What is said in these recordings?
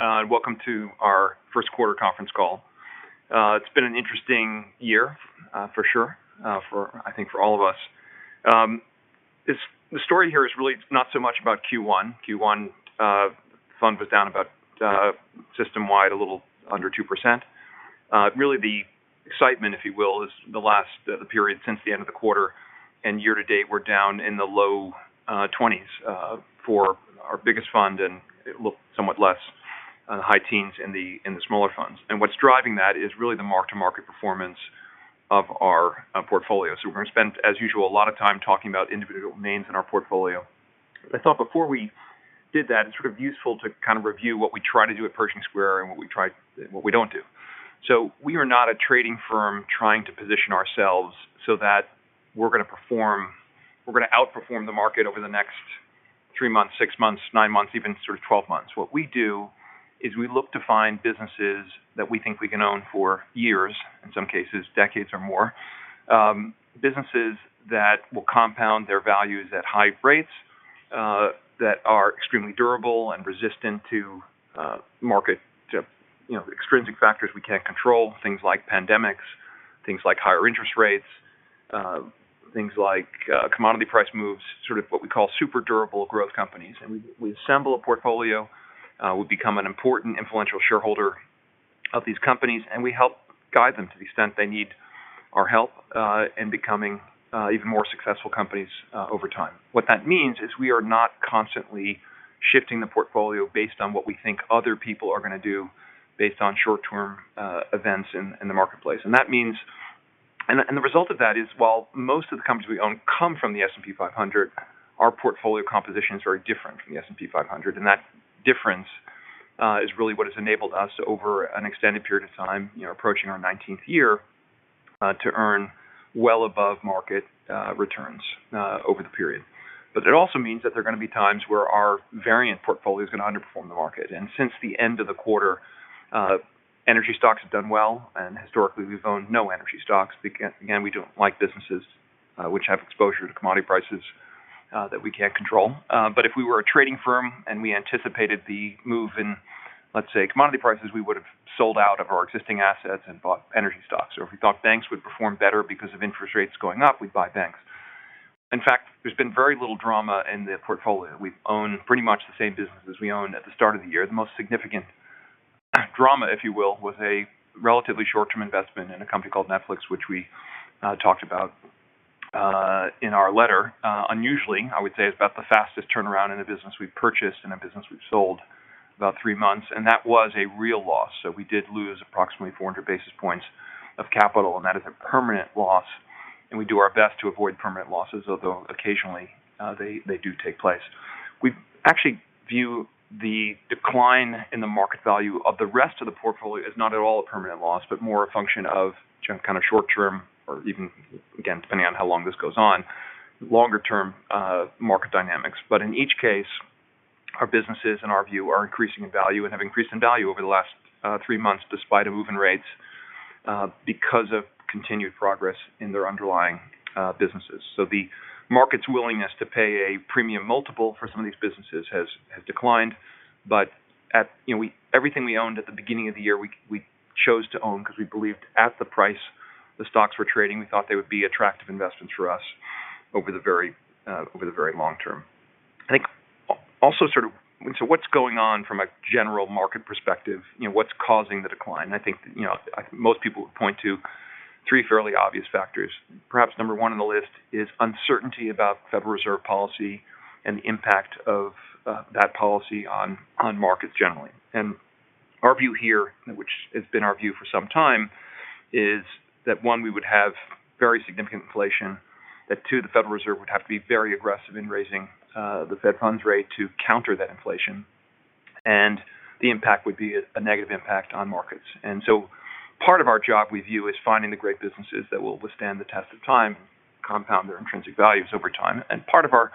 Welcome to our first quarter conference call. It's been an interesting year, for sure. I think for all of us. The story here is really not so much about Q1. Q1 fund was down about, system-wide, a little under 2%. Really, the excitement, if you will, is the period since the end of the quarter, and year-to-date, we're down in the low 20s for our biggest fund, and it was somewhat less, high teens in the smaller funds. What's driving that is really the mark-to-market performance of our portfolio. We're gonna spend, as usual, a lot of time talking about individual names in our portfolio. I thought before we did that, it's sort of useful to kind of review what we try to do at Pershing Square and what we don't do. We are not a trading firm trying to position ourselves so that we're gonna outperform the market over the next three months, six months, nine months, even sort of 12 months. What we do is we look to find businesses that we think we can own for years, in some cases, decades or more, businesses that will compound their values at high rates, that are extremely durable and resistant to market, to you know, extrinsic factors we can't control, things like pandemics, things like higher interest rates, things like commodity price moves, sort of what we call super durable growth companies. We assemble a portfolio, we become an important influential shareholder of these companies, and we help guide them to the extent they need our help, in becoming, even more successful companies, over time. What that means is we are not constantly shifting the portfolio based on what we think other people are gonna do based on short-term, events in the marketplace. That means the result of that is, while most of the companies we own come from the S&P 500, our portfolio compositions are different from the S&P 500. That difference is really what has enabled us over an extended period of time, you know, approaching our 19th year, to earn well above market, returns, over the period. It also means that there are gonna be times where our variant portfolio is gonna underperform the market. Since the end of the quarter, energy stocks have done well, and historically we've owned no energy stocks. Again, we don't like businesses, which have exposure to commodity prices, that we can't control. But if we were a trading firm and we anticipated the move in, let's say, commodity prices, we would have sold out of our existing assets and bought energy stocks. If we thought banks would perform better because of interest rates going up, we'd buy banks. In fact, there's been very little drama in the portfolio. We own pretty much the same businesses we owned at the start of the year. The most significant drama, if you will, was a relatively short-term investment in a company called Netflix, which we talked about in our letter. Unusually, I would say, it's about the fastest turnaround in a business we've purchased and a business we've sold about three months. That was a real loss. We did lose approximately 400 bps of capital, and that is a permanent loss. We do our best to avoid permanent losses. Although occasionally, they do take place. We actually view the decline in the market value of the rest of the portfolio as not at all a permanent loss, but more a function of kind of short-term or even, again, depending on how long this goes on, longer-term market dynamics. In each case, our businesses, in our view, are increasing in value and have increased in value over the last three months despite a move in rates because of continued progress in their underlying businesses. The market's willingness to pay a premium multiple for some of these businesses has declined. Everything we owned at the beginning of the year we chose to own because we believed at the price the stocks were trading, we thought they would be attractive investments for us over the very long-term. I think what's going on from a general market perspective? You know, what's causing the decline? I think, you know, most people would point to three fairly obvious factors. Perhaps number one on the list is uncertainty about Federal Reserve policy and the impact of that policy on markets generally. Our view here, which has been our view for some time, is that one, we would have very significant inflation, that two, the Federal Reserve would have to be very aggressive in raising the Fed funds rate to counter that inflation, and the impact would be a negative impact on markets. Part of our job we view is finding the great businesses that will withstand the test of time, compound their intrinsic values over time. Part of our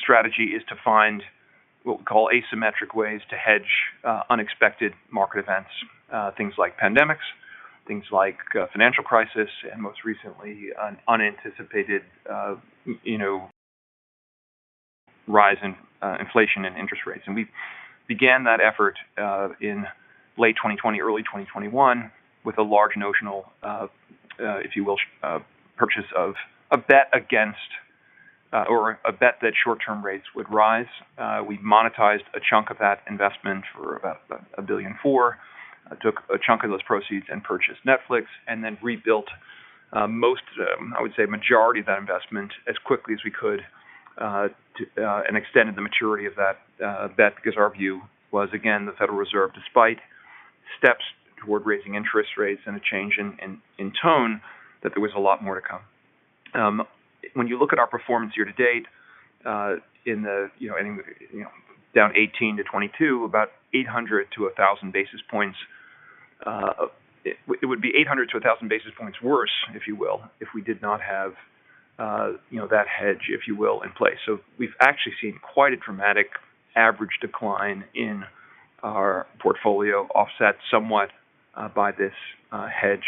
strategy is to find what we call asymmetric ways to hedge unexpected market events, things like pandemics, things like financial crisis, and most recently an unanticipated you know rise in inflation and interest rates. We began that effort in late 2020, early 2021 with a large notional, if you will, purchase of a bet against, or a bet that short-term rates would rise. We monetized a chunk of that investment for about $1.4 billion. I took a chunk of those proceeds and purchased Netflix, and then rebuilt most of them, I would say majority of that investment as quickly as we could, to and extended the maturity of that bet, because our view was, again, the Federal Reserve, despite steps toward raising interest rates and a change in tone, that there was a lot more to come. When you look at our performance year-to-date, you know, in the ending, you know, down 18%-22%, about 800 - 1,000 bps. It would be 800-1,000 bps worse, if you will, if we did not have, you know, that hedge, if you will, in place. We've actually seen quite a dramatic average decline in our portfolio, offset somewhat, by this hedge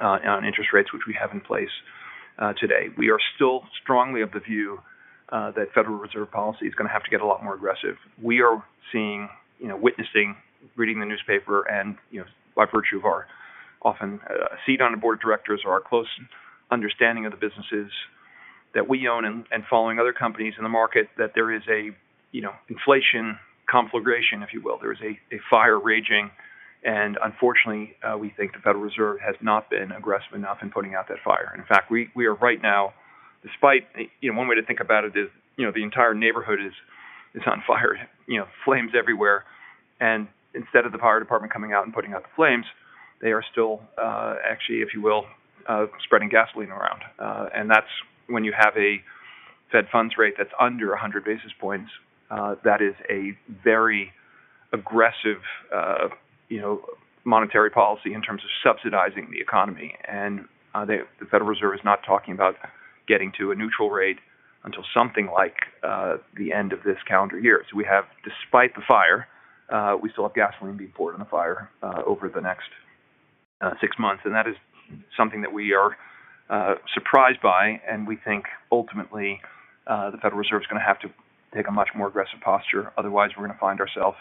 on interest rates, which we have in place today. We are still strongly of the view that Federal Reserve policy is gonna have to get a lot more aggressive. We are seeing, you know, witnessing, reading the newspaper and, you know, by virtue of our often seat on the board of directors or our close understanding of the businesses that we own and following other companies in the market, that there is a, you know, inflation conflagration, if you will. There is a fire raging. Unfortunately, we think the Federal Reserve has not been aggressive enough in putting out that fire. In fact, we are right now. One way to think about it is, you know, the entire neighborhood is on fire. You know, flames everywhere. Instead of the fire department coming out and putting out the flames, they are still actually, if you will, spreading gasoline around. That's when you have a Fed funds rate that's under 100 bps, that is a very aggressive, you know, monetary policy in terms of subsidizing the economy. The Federal Reserve is not talking about getting to a neutral rate until something like the end of this calendar year. We have, despite the fire, we still have gasoline being poured on the fire, over the next six months, and that is something that we are surprised by. We think ultimately, the Federal Reserve's gonna have to take a much more aggressive posture. Otherwise, we're gonna find ourself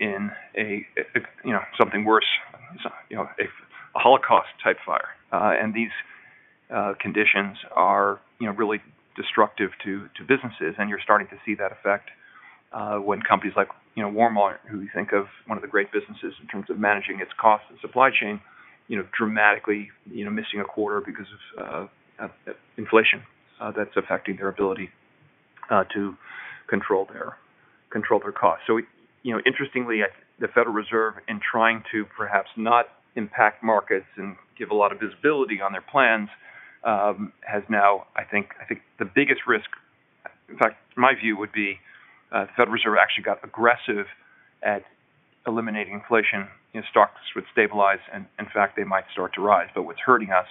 in a you know something worse. You know, a holocaust-type fire. These conditions are, you know, really destructive to businesses. You're starting to see that effect when companies like, you know, Walmart, who we think of, one of the great businesses in terms of managing its cost and supply chain, you know, dramatically, you know, missing a quarter because of inflation, that's affecting their ability to control their costs. You know, interestingly, the Federal Reserve, in trying to perhaps not impact markets and give a lot of visibility on their plans, has now, I think, the biggest risk. In fact, my view would be, Federal Reserve actually got aggressive at eliminating inflation, you know, stocks would stabilize and in fact, they might start to rise. But what's hurting us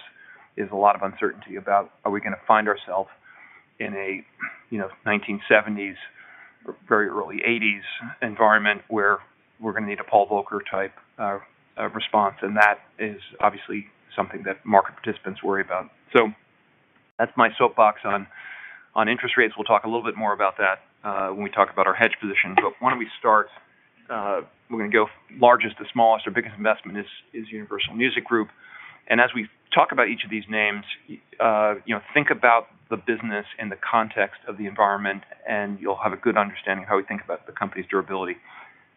is a lot of uncertainty about, are we gonna find ourselves in a, you know, 1970s or very early 1980s environment where we're gonna need a Paul Volcker type response. And that is obviously something that market participants worry about. That's my soapbox on interest rates. We'll talk a little bit more about that, when we talk about our hedge position. But why don't we start. We're gonna go largest to smallest. Our biggest investment is Universal Music Group. As we talk about each of these names, you know, think about the business in the context of the environment, and you'll have a good understanding of how we think about the company's durability.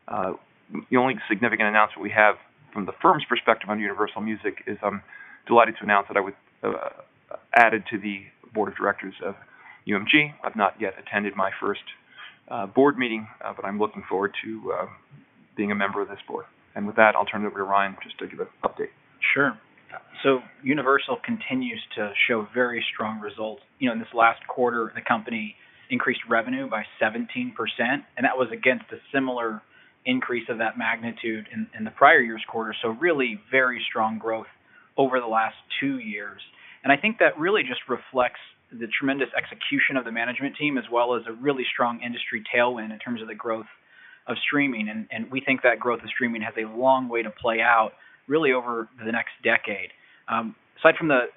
The only significant announcement we have from the firm's perspective on Universal Music is I'm delighted to announce that I was added to the board of directors of UMG. I've not yet attended my first board meeting, but I'm looking forward to being a member of this board. With that, I'll turn it over to Ryan just to give an update. Sure. Universal continues to show very strong results. You know, in this last quarter, the company increased revenue by 17%, and that was against a similar increase of that magnitude in the prior year's quarter. Really very strong growth over the last two years. I think that really just reflects the tremendous execution of the management team, as well as a really strong industry tailwind in terms of the growth of streaming. We think that growth of streaming has a long way to play out really over the next decade. Aside from the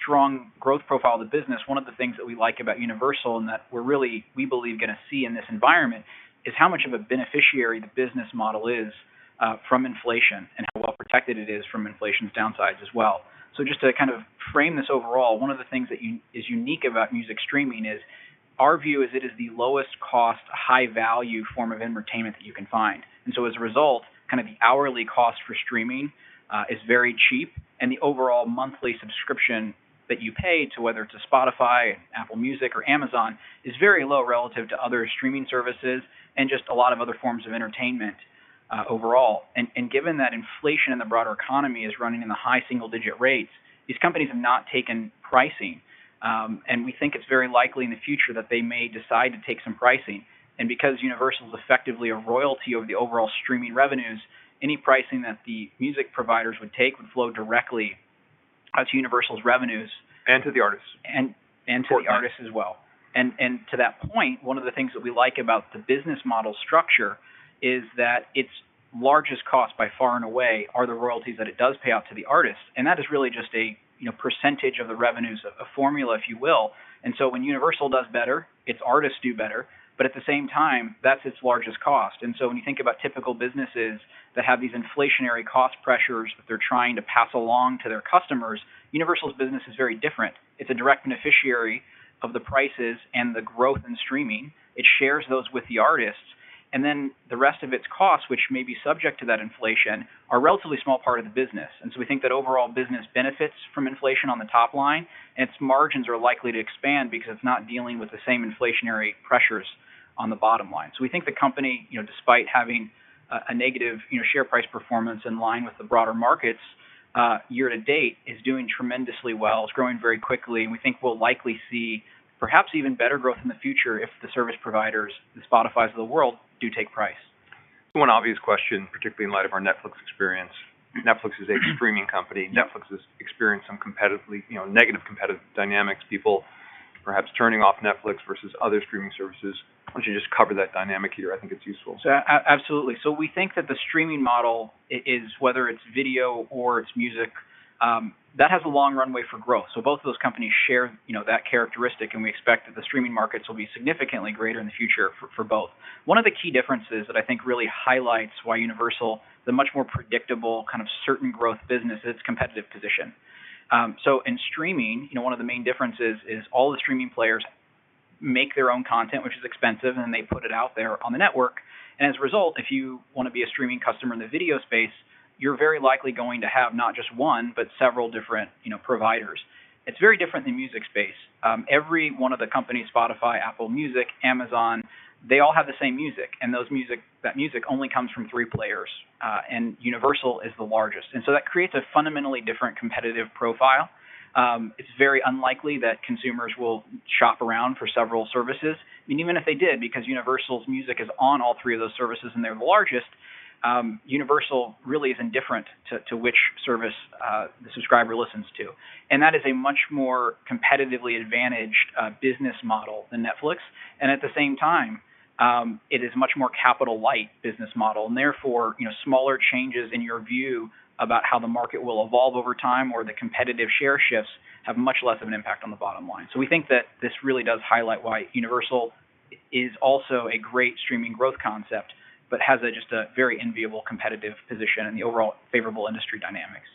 strong growth profile of the business, one of the things that we like about Universal and that we're really, we believe gonna see in this environment, is how much of a beneficiary the business model is from inflation and how well protected it is from inflation's downsides as well. Just to kind of frame this overall, one of the things that is unique about music streaming is our view is it is the lowest cost, high value form of entertainment that you can find. As a result, kind of the hourly cost for streaming is very cheap. The overall monthly subscription that you pay to, whether it's a Spotify, Apple Music or Amazon, is very low relative to other streaming services and just a lot of other forms of entertainment overall. Given that inflation in the broader economy is running in the high single-digit rates, these companies have not taken pricing. We think it's very likely in the future that they may decide to take some pricing. Because Universal's effectively a royalty over the overall streaming revenues, any pricing that the music providers would take would flow directly to Universal's revenues. To the artists. to the artists as well. To that point, one of the things that we like about the business model structure is that its largest cost by far and away are the royalties that it does pay out to the artists. That is really just a you know percentage of the revenues, a formula, if you will. When Universal does better, its artists do better, but at the same time, that's its largest cost. When you think about typical businesses that have these inflationary cost pressures that they're trying to pass along to their customers, Universal's business is very different. It's a direct beneficiary of the prices and the growth in streaming. It shares those with the artists. Then the rest of its costs, which may be subject to that inflation, are a relatively small part of the business. We think that overall business benefits from inflation on the top line, and its margins are likely to expand because it's not dealing with the same inflationary pressures on the bottom line. We think the company, you know, despite having a negative, you know, share price performance in line with the broader markets year-to-date, is doing tremendously well. It's growing very quickly, and we think we'll likely see perhaps even better growth in the future if the service providers, the Spotifys of the world, do take price. One obvious question, particularly in light of our Netflix experience. Netflix is a streaming company. Netflix has experienced some competitive, you know, negative competitive dynamics. People, perhaps turning off Netflix versus other streaming services. Why don't you just cover that dynamic here? I think it's useful. Absolutely. We think that the streaming model is, whether it's video or it's music, that has a long runway for growth. Both of those companies share, you know, that characteristic, and we expect that the streaming markets will be significantly greater in the future for both. One of the key differences that I think really highlights why Universal, the much more predictable kind of certain growth business is competitive position. In streaming, you know, one of the main differences is all the streaming players make their own content, which is expensive, and they put it out there on the network. As a result, if you wanna be a streaming customer in the video space, you're very likely going to have not just one, but several different, you know, providers. It's very different than music space. Every one of the companies, Spotify, Apple Music, Amazon, they all have the same music. That music only comes from three players, and Universal is the largest. That creates a fundamentally different competitive profile. It's very unlikely that consumers will shop around for several services. Even if they did, because Universal's music is on all three of those services and they're the largest, Universal really is indifferent to which service the subscriber listens to. That is a much more competitively advantaged business model than Netflix. At the same time, it is much more capital-light business model, and therefore, you know, smaller changes in your view about how the market will evolve over time or the competitive share shifts have much less of an impact on the bottom line. We think that this really does highlight why Universal is also a great streaming growth concept, but has just a very enviable competitive position in the overall favorable industry dynamics.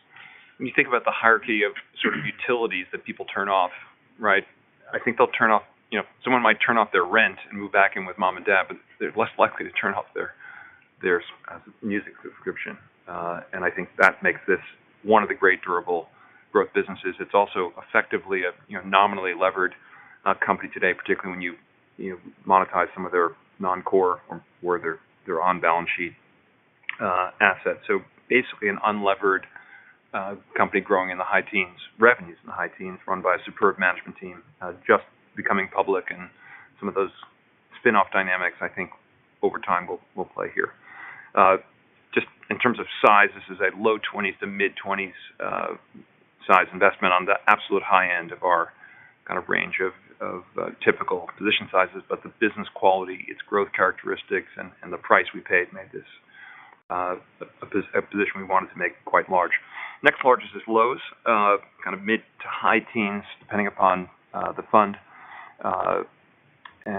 When you think about the hierarchy of sort of utilities that people turn off, right? I think they'll turn off. You know, someone might turn off their rent and move back in with mom and dad, but they're less likely to turn off their music subscription. I think that makes this one of the great durable growth businesses. It's also effectively a, you know, nominally levered company today, particularly when you monetize some of their non-core or where their on balance sheet assets. Basically an unlevered company growing in the high teens, revenues in the high teens, run by a superb management team, just becoming public. Some of those spin-off dynamics, I think, over time will play here. Just in terms of size, this is a low 20s to mid 20s size investment on the absolute high-end of our kind of range of typical position sizes, but the business quality, its growth characteristics and the price we paid made this a position we wanted to make quite large. Next largest is Lowe's, kind of mid- to high teens, depending upon the fund. You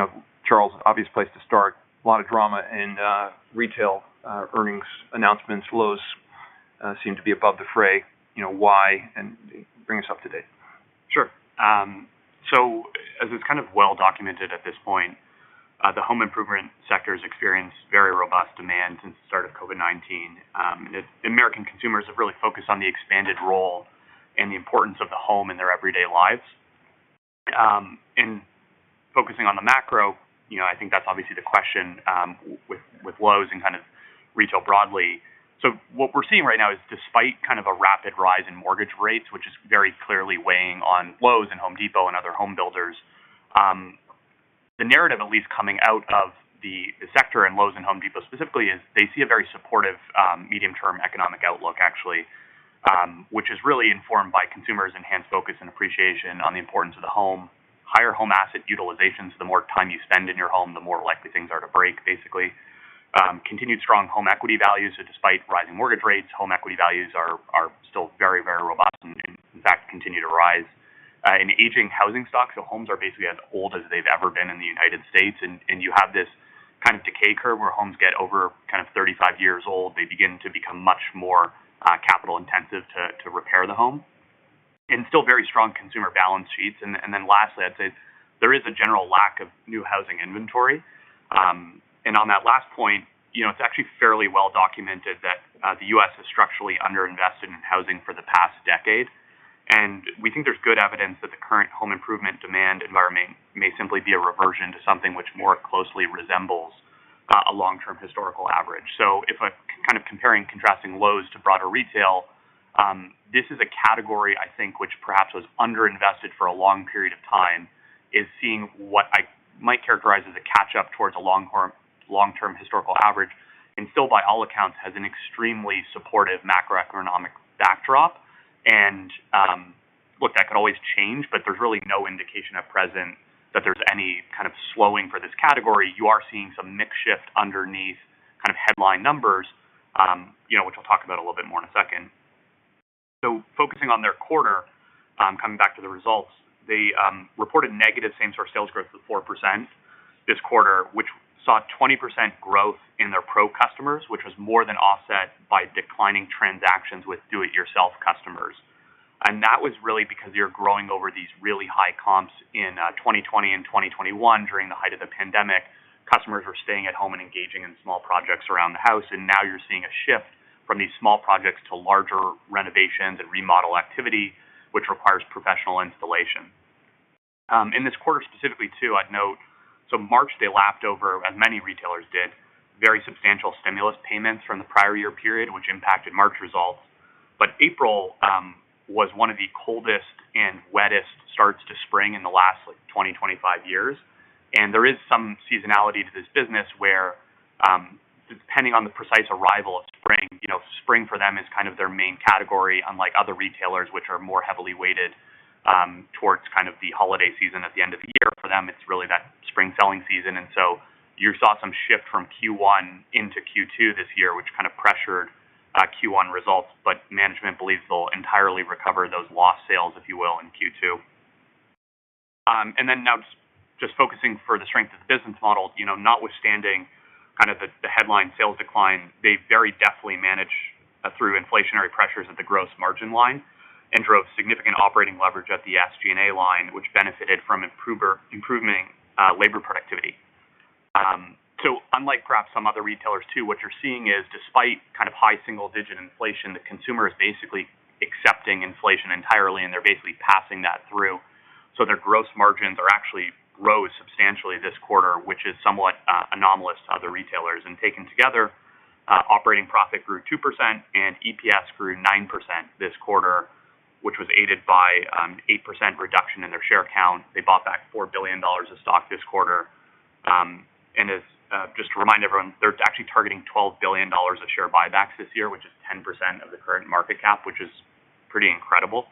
know, Charles, obvious place to start. A lot of drama in retail earnings announcements. Lowe's seem to be above the fray. You know, why? Bring us up to date. Sure. As it's kind of well documented at this point, the home improvement sector has experienced very robust demand since the start of COVID-19. The American consumers have really focused on the expanded role and the importance of the home in their everyday lives. In focusing on the macro, you know, I think that's obviously the question, with Lowe's and kind of retail broadly. What we're seeing right now is despite kind of a rapid rise in mortgage rates, which is very clearly weighing on Lowe's and Home Depot and other home builders, the narrative at least coming out of the sector and Lowe's and Home Depot specifically is they see a very supportive medium-term economic outlook, actually, which is really informed by consumers' enhanced focus and appreciation on the importance of the home. Higher home asset utilizations. The more time you spend in your home, the more likely things are to break, basically. Continued strong home equity values. Despite rising mortgage rates, home equity values are still very, very robust and that continue to rise. Aging housing stocks. Homes are basically as old as they've ever been in the United States. You have this kind of decay curve where homes get over kind of 35 years old, they begin to become much more capital intensive to repair the home. Still very strong consumer balance sheets. Then lastly, I'd say there is a general lack of new housing inventory. On that last point, you know, it's actually fairly well documented that the U.S. has structurally under-invested in housing for the past decade. We think there's good evidence that the current home improvement demand environment may simply be a reversion to something which more closely resembles a long-term historical average. If I kind of comparing contrasting Lowe's to broader retail, this is a category I think, which perhaps was under-invested for a long period of time, is seeing what I might characterize as a catch up towards a long-term historical average. Still by all accounts, has an extremely supportive macroeconomic backdrop. Look, that could always change, but there's really no indication at present that there's any kind of slowing for this category. You are seeing some mix shift underneath kind of headline numbers, you know, which we'll talk about a little bit more in a second. Focusing on their quarter, coming back to the results. They reported negative same-store sales growth of 4% this quarter, which saw 20% growth in their pro customers, which was more than offset by declining transactions with do-it-yourself customers. That was really because you're growing over these really high comps in 2020 and 2021 during the height of the pandemic. Customers were staying at home and engaging in small projects around the house, and now you're seeing a shift from these small projects to larger renovations and remodel activity, which requires professional installation. In this quarter specifically too, I'd note, so March, they lapped over, as many retailers did, very substantial stimulus payments from the prior year period, which impacted March results. April was one of the coldest and wettest starts to spring in the last, like, 20-25 years. There is some seasonality to this business where, depending on the precise arrival of spring, you know, spring for them is kind of their main category, unlike other retailers, which are more heavily weighted towards kind of the holiday season at the end of the year. For them, it's really that spring selling season. You saw some shift from Q1 into Q2 this year, which kind of pressured Q1 results, but management believes they'll entirely recover those lost sales, if you will, in Q2. Now just focusing on the strength of the business model, you know, notwithstanding kind of the headline sales decline, they very deftly manage through inflationary pressures at the gross margin line and drove significant operating leverage at the SG&A line, which benefited from improving labor productivity. Unlike perhaps some other retailers too, what you're seeing is despite kind of high single-digit inflation, the consumer is basically accepting inflation entirely, and they're basically passing that through. Their gross margins actually rose substantially this quarter, which is somewhat anomalous to other retailers. Taken together, operating profit grew 2% and EPS grew 9% this quarter, which was aided by -8% in their share count. They bought back $4 billion of stock this quarter. Just to remind everyone, they're actually targeting $12 billion of share buybacks this year, which is 10% of the current market cap, which is pretty incredible.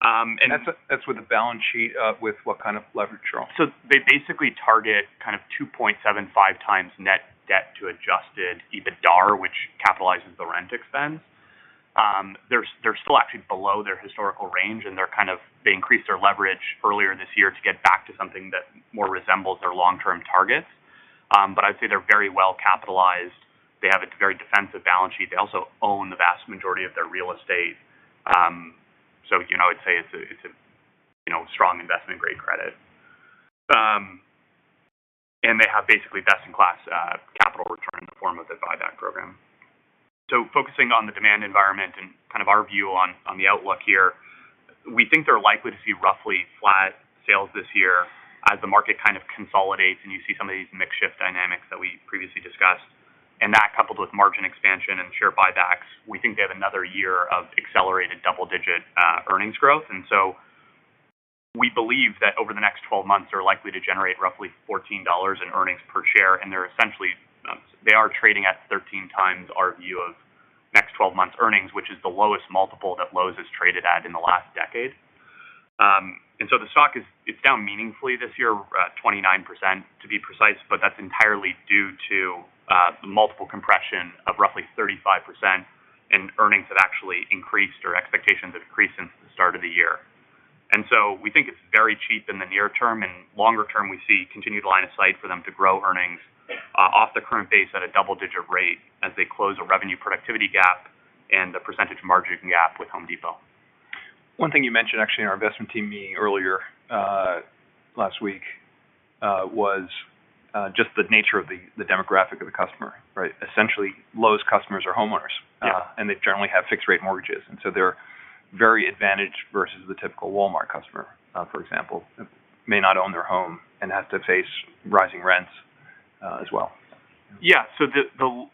That's with the balance sheet, with what kind of leverage, Charles? They basically target kind of 2.75x net debt to adjusted EBITDA, which capitalizes the rent expense. They're still actually below their historical range, and they increased their leverage earlier this year to get back to something that more resembles their long-term targets. I'd say they're very well capitalized. They have a very defensive balance sheet. They also own the vast majority of their real estate. You know, I'd say it's a you know strong investment-grade credit. They have basically best-in-class capital return in the form of the buyback program. Focusing on the demand environment and kind of our view on the outlook here, we think they're likely to see roughly flat sales this year as the market kind of consolidates and you see some of these mix shift dynamics that we previously discussed. That coupled with margin expansion and share buybacks, we think they have another year of accelerated double-digit earnings growth. We believe that over the next 12 months, they're likely to generate roughly $14 in earnings per share. They're essentially trading at 13x our view of next 12 months' earnings, which is the lowest multiple that Lowe's has traded at in the last decade. The stock is down meaningfully this year, 29% to be precise, but that's entirely due to the multiple compression of roughly 35% and earnings have actually increased or expectations have increased since the start of the year. We think it's very cheap in the near term. In longer-term, we see continued line of sight for them to grow earnings off the current base at a double-digit rate as they close a revenue productivity gap and the percentage margin gap with Home Depot. One thing you mentioned actually in our investment team meeting earlier last week was just the nature of the demographic of the customer, right? Essentially, Lowe's customers are homeowners. Yeah. They generally have fixed-rate mortgages, so they're very advantaged versus the typical Walmart customer, for example, may not own their home and has to face rising rents as well. Yeah. The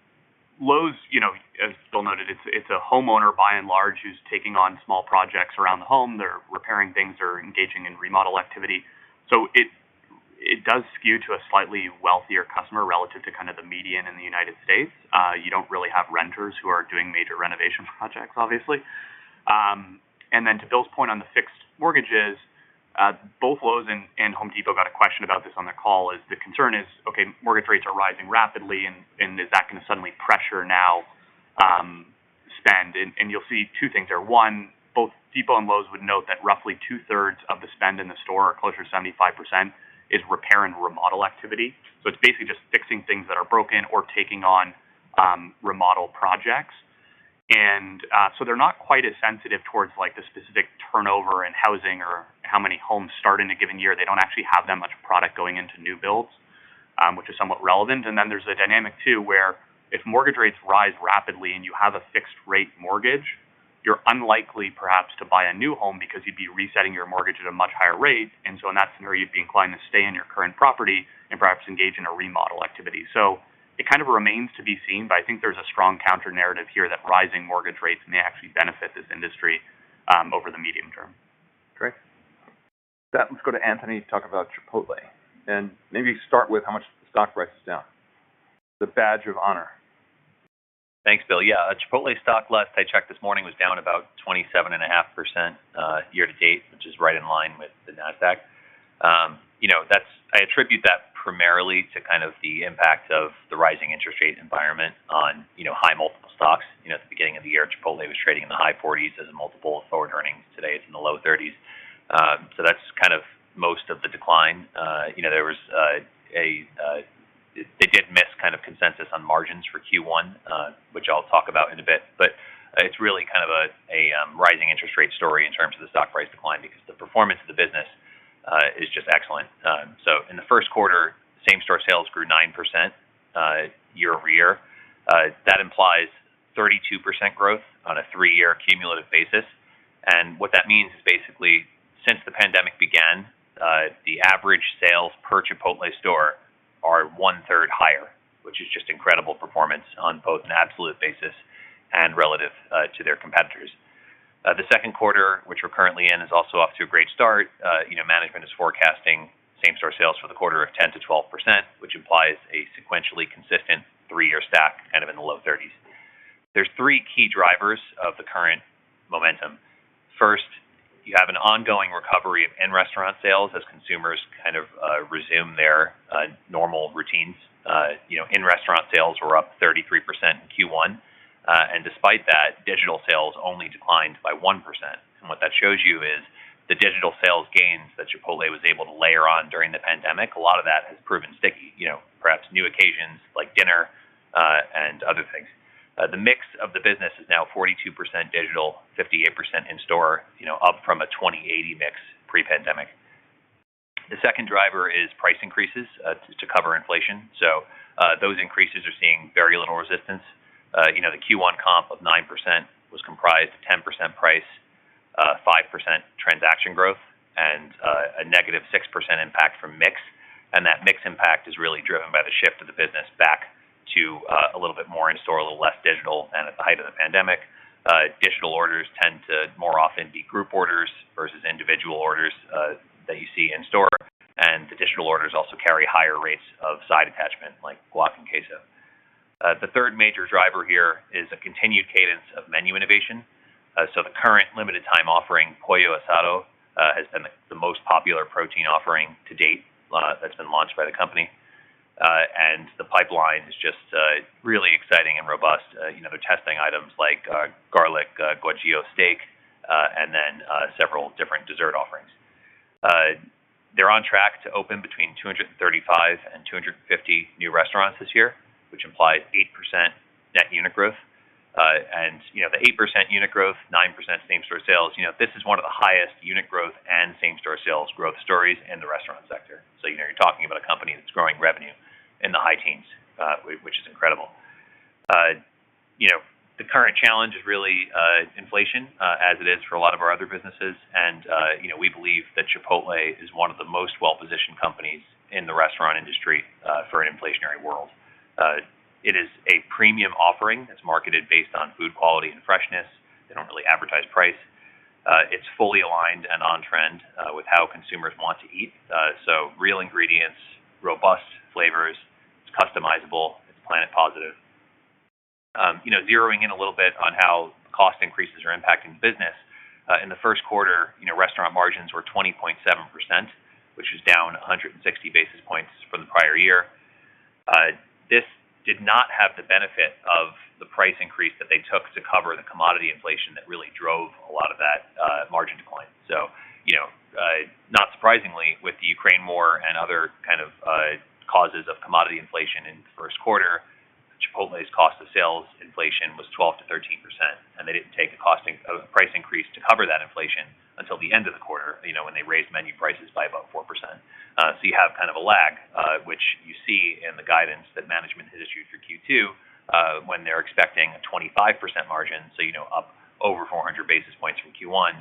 Lowe's, you know, as Bill noted, it's a homeowner by and large who's taking on small projects around the home. They're repairing things or engaging in remodel activity. It does skew to a slightly wealthier customer relative to kind of the median in the United States. You don't really have renters who are doing major renovation projects, obviously. To Bill's point on the fixed mortgages, both Lowe's and Home Depot got a question about this on their call. The concern is, okay, mortgage rates are rising rapidly and is that gonna suddenly pressure spend? You'll see two things there. One, both Home Depot and Lowe's would note that roughly two-thirds of the spend in the store or closer to 75% is repair and remodel activity. It's basically just fixing things that are broken or taking on remodel projects. They're not quite as sensitive towards like the specific turnover in housing or how many homes start in a given year. They don't actually have that much product going into new builds, which is somewhat relevant. Then there's a dynamic too where if mortgage rates rise rapidly and you have a fixed rate mortgage, you're unlikely perhaps to buy a new home because you'd be resetting your mortgage at a much higher rate. In that scenario, you'd be inclined to stay in your current property and perhaps engage in a remodel activity. It kind of remains to be seen, but I think there's a strong counter-narrative here that rising mortgage rates may actually benefit this industry over the medium-term. Great. With that, let's go to Anthony to talk about Chipotle. Maybe start with how much the stock price is down. The badge of honor. Thanks, Bill. Yeah. Chipotle stock last I checked this morning was down about 27.5%, year-to-date, which is right in line with the Nasdaq. You know, that's I attribute that primarily to kind of the impact of the rising interest rate environment on, you know, high multiple stocks. You know, at the beginning of the year, Chipotle was trading in the high 40s as a multiple of forward earnings. Today, it's in the low 30s. So that's kind of most of the decline. You know, there was a. They did miss kind of consensus on margins for Q1, which I'll talk about in a bit. But it's really kind of a rising interest rate story in terms of the stock price decline because the performance of the business is just excellent. In the first quarter, same-store sales grew 9%, year-over-year. That implies 32% growth on a three-year cumulative basis. What that means is basically since the pandemic began, the average sales per Chipotle store are 1/3 higher, which is just incredible performance on both an absolute basis and relative to their competitors. The second quarter, which we're currently in, is also off to a great start. You know, management is forecasting same-store sales for the quarter of 10%-12%, which implies a sequentially consistent three-year stack kind of in the low 30s. There's three key drivers of the current momentum. First, you have an ongoing recovery of in-restaurant sales as consumers kind of resume their normal routines. You know, in-restaurant sales were up 33% in Q1. Despite that, digital sales only declined by 1%. What that shows you is the digital sales gains that Chipotle was able to layer on during the pandemic. A lot of that has proven sticky. You know, perhaps new occasions like dinner and other things. The mix of the business is now 42% digital, 58% in-store, you know, up from a 20/80 mix pre-pandemic. The second driver is price increases to cover inflation. Those increases are seeing very little resistance. You know, the Q1 comp of 9% was comprised of 10% price, 5% transaction growth, and a -6% impact from mix. That mix impact is really driven by the shift of the business back to a little bit more in store, a little less digital than at the height of the pandemic. Digital orders tend to more often be group orders versus individual orders that you see in store. The digital orders also carry higher rates of side attachment, like guac and queso. The third major driver here is a continued cadence of menu innovation. The current limited time offering, Pollo Asado, has been the most popular protein offering to date that's been launched by the company. The pipeline is just really exciting and robust. You know, they're testing items like Garlic Guajillo Steak and then several different dessert offerings. They're on track to open between 235 and 250 new restaurants this year, which implies 8% net unit growth. You know, the 8% unit growth, 9% same-store sales, you know, this is one of the highest unit growth and same-store sales growth stories in the restaurant sector. You know, you're talking about a company that's growing revenue in the high teens, which is incredible. You know, the current challenge is really inflation, as it is for a lot of our other businesses. You know, we believe that Chipotle is one of the most well-positioned companies in the restaurant industry for an inflationary world. It is a premium offering. It's marketed based on food quality and freshness. They don't really advertise price. It's fully aligned and on trend with how consumers want to eat. Real ingredients, robust flavors. It's customizable. It's planet positive. You know, zeroing in a little bit on how cost increases are impacting business. In the first quarter, you know, restaurant margins were 20.7%, which was down 160 bps from the prior year. This did not have the benefit of the price increase that they took to cover the commodity inflation that really drove a lot of that margin decline. You know, not surprisingly, with the Ukraine war and other kind of causes of commodity inflation in the first quarter, Chipotle's cost of sales inflation was 12%-13%, and they didn't take the price increase to cover that inflation until the end of the quarter, you know, when they raised menu prices by about 4%. You have kind of a lag, which you see in the guidance that management has issued for Q2, when they're expecting a 25% margin. You know, up over 400 bps from Q1.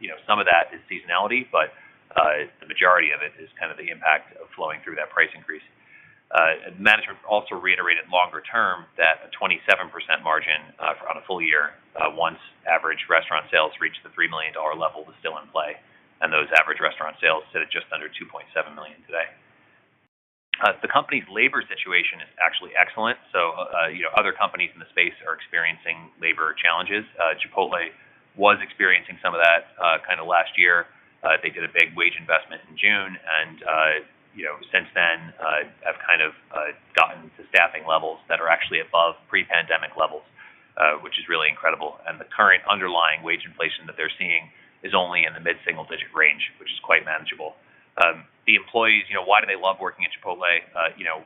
You know, some of that is seasonality, but the majority of it is kind of the impact of flowing through that price increase. Management also reiterated longer-term that a 27% margin on a full-year once average restaurant sales reach the $3 million level is still in play. Those average restaurant sales sit at just under $2.7 million today. The company's labor situation is actually excellent. You know, other companies in the space are experiencing labor challenges. Chipotle was experiencing some of that kinda last year. They did a big wage investment in June, and you know, since then have kind of gotten to staffing levels that are actually above pre-pandemic levels, which is really incredible. The current underlying wage inflation that they're seeing is only in the mid-single-digit range, which is quite manageable. The employees, you know, why do they love working at Chipotle? You know,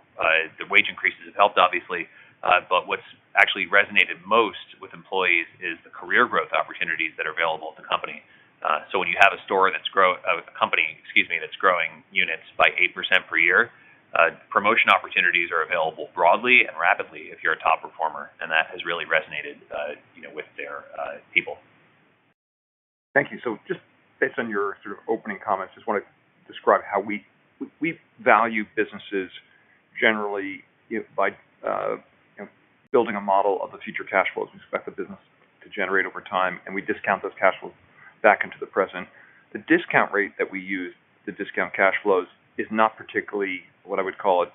the wage increases have helped, obviously. But what's actually resonated most with employees is the career growth opportunities that are available at the company. When you have a company, excuse me, that's growing units by 8% per year, promotion opportunities are available broadly and rapidly if you're a top performer. That has really resonated, you know, with their people. Thank you. Just based on your sort of opening comments, just want to describe how we value businesses generally by building a model of the future cash flows we expect the business to generate over time, and we discount those cash flows back into the present. The discount rate that we use to discount cash flows is not particularly what I would call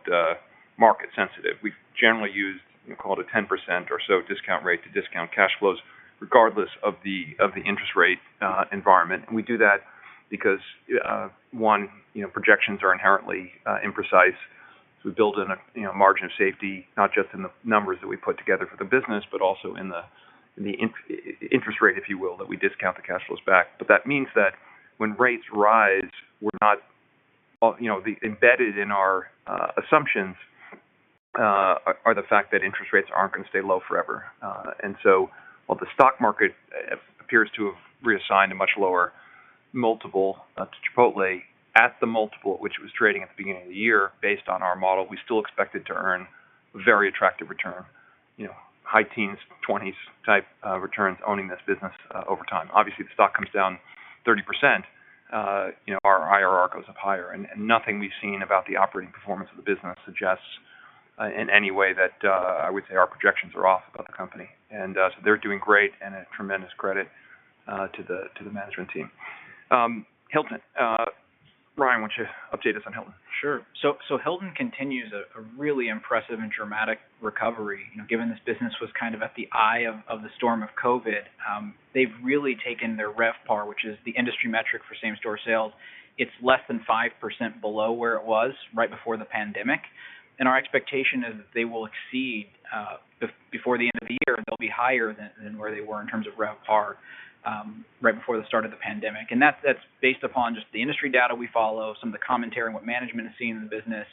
market sensitive. We've generally used, you know, call it a 10% or so discount rate to discount cash flows regardless of the interest rate environment. We do that because one, you know, projections are inherently imprecise. We build in a margin of safety, not just in the numbers that we put together for the business, but also in the interest rate, if you will, that we discount the cash flows back. That means that when rates rise, we're not embedded in our assumptions are the fact that interest rates aren't gonna stay low forever. While the stock market appears to have reassigned a much lower multiple to Chipotle at the multiple at which it was trading at the beginning of the year, based on our model, we still expect it to earn very attractive return. You know, high teens, twenties type returns owning this business over time. Obviously, the stock comes down 30%, our IRR goes up higher. Nothing we've seen about the operating performance of the business suggests, in any way, that I would say our projections are off about the company. They're doing great and a tremendous credit to the management team. Hilton. Ryan, why don't you update us on Hilton? Sure. Hilton continues a really impressive and dramatic recovery. You know, given this business was kind of at the eye of the storm of COVID. They've really taken their RevPAR, which is the industry metric for same store sales. It's less than 5% below where it was right before the pandemic. Our expectation is that they will exceed before the end of the year, they'll be higher than where they were in terms of RevPAR right before the start of the pandemic. That's based upon just the industry data we follow, some of the commentary on what management is seeing in the business.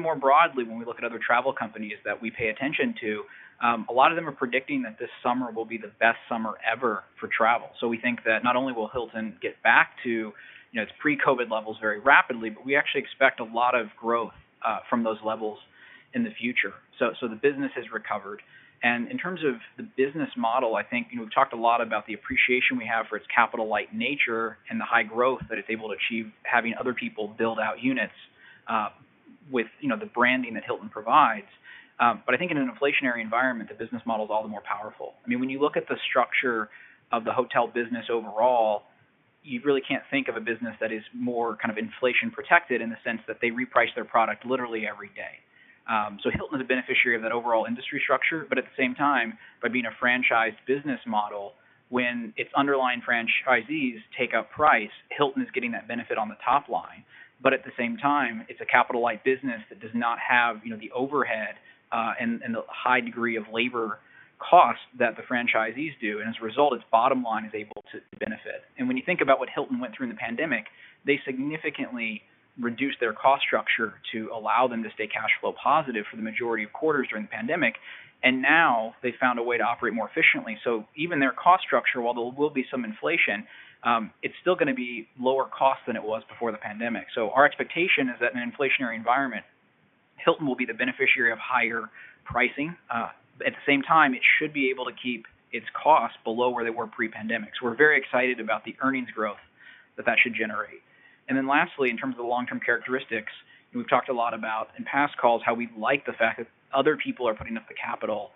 More broadly, when we look at other travel companies that we pay attention to, a lot of them are predicting that this summer will be the best summer ever for travel. We think that not only will Hilton get back to, you know, its pre-COVID levels very rapidly, but we actually expect a lot of growth from those levels in the future. The business has recovered. In terms of the business model, I think, you know, we've talked a lot about the appreciation we have for its capital light nature and the high growth that it's able to achieve having other people build out units with, you know, the branding that Hilton provides. I think in an inflationary environment, the business model is all the more powerful. I mean, when you look at the structure of the hotel business overall, you really can't think of a business that is more kind of inflation protected in the sense that they reprice their product literally every day. Hilton is a beneficiary of that overall industry structure. At the same time, by being a franchised business model, when its underlying franchisees take up price, Hilton is getting that benefit on the top line. At the same time, it's a capital light business that does not have, you know, the overhead, and the high degree of labor costs that the franchisees do. As a result, its bottom line is able to benefit. When you think about what Hilton went through in the pandemic, they significantly reduced their cost structure to allow them to stay cash flow positive for the majority of quarters during the pandemic. Now they found a way to operate more efficiently. Even their cost structure, while there will be some inflation, it's still gonna be lower cost than it was before the pandemic. Our expectation is that in an inflationary environment, Hilton will be the beneficiary of higher pricing. At the same time, it should be able to keep its costs below where they were pre-pandemic. We're very excited about the earnings growth that should generate. Then lastly, in terms of the long-term characteristics, we've talked a lot about in past calls, how we like the fact that other people are putting up the capital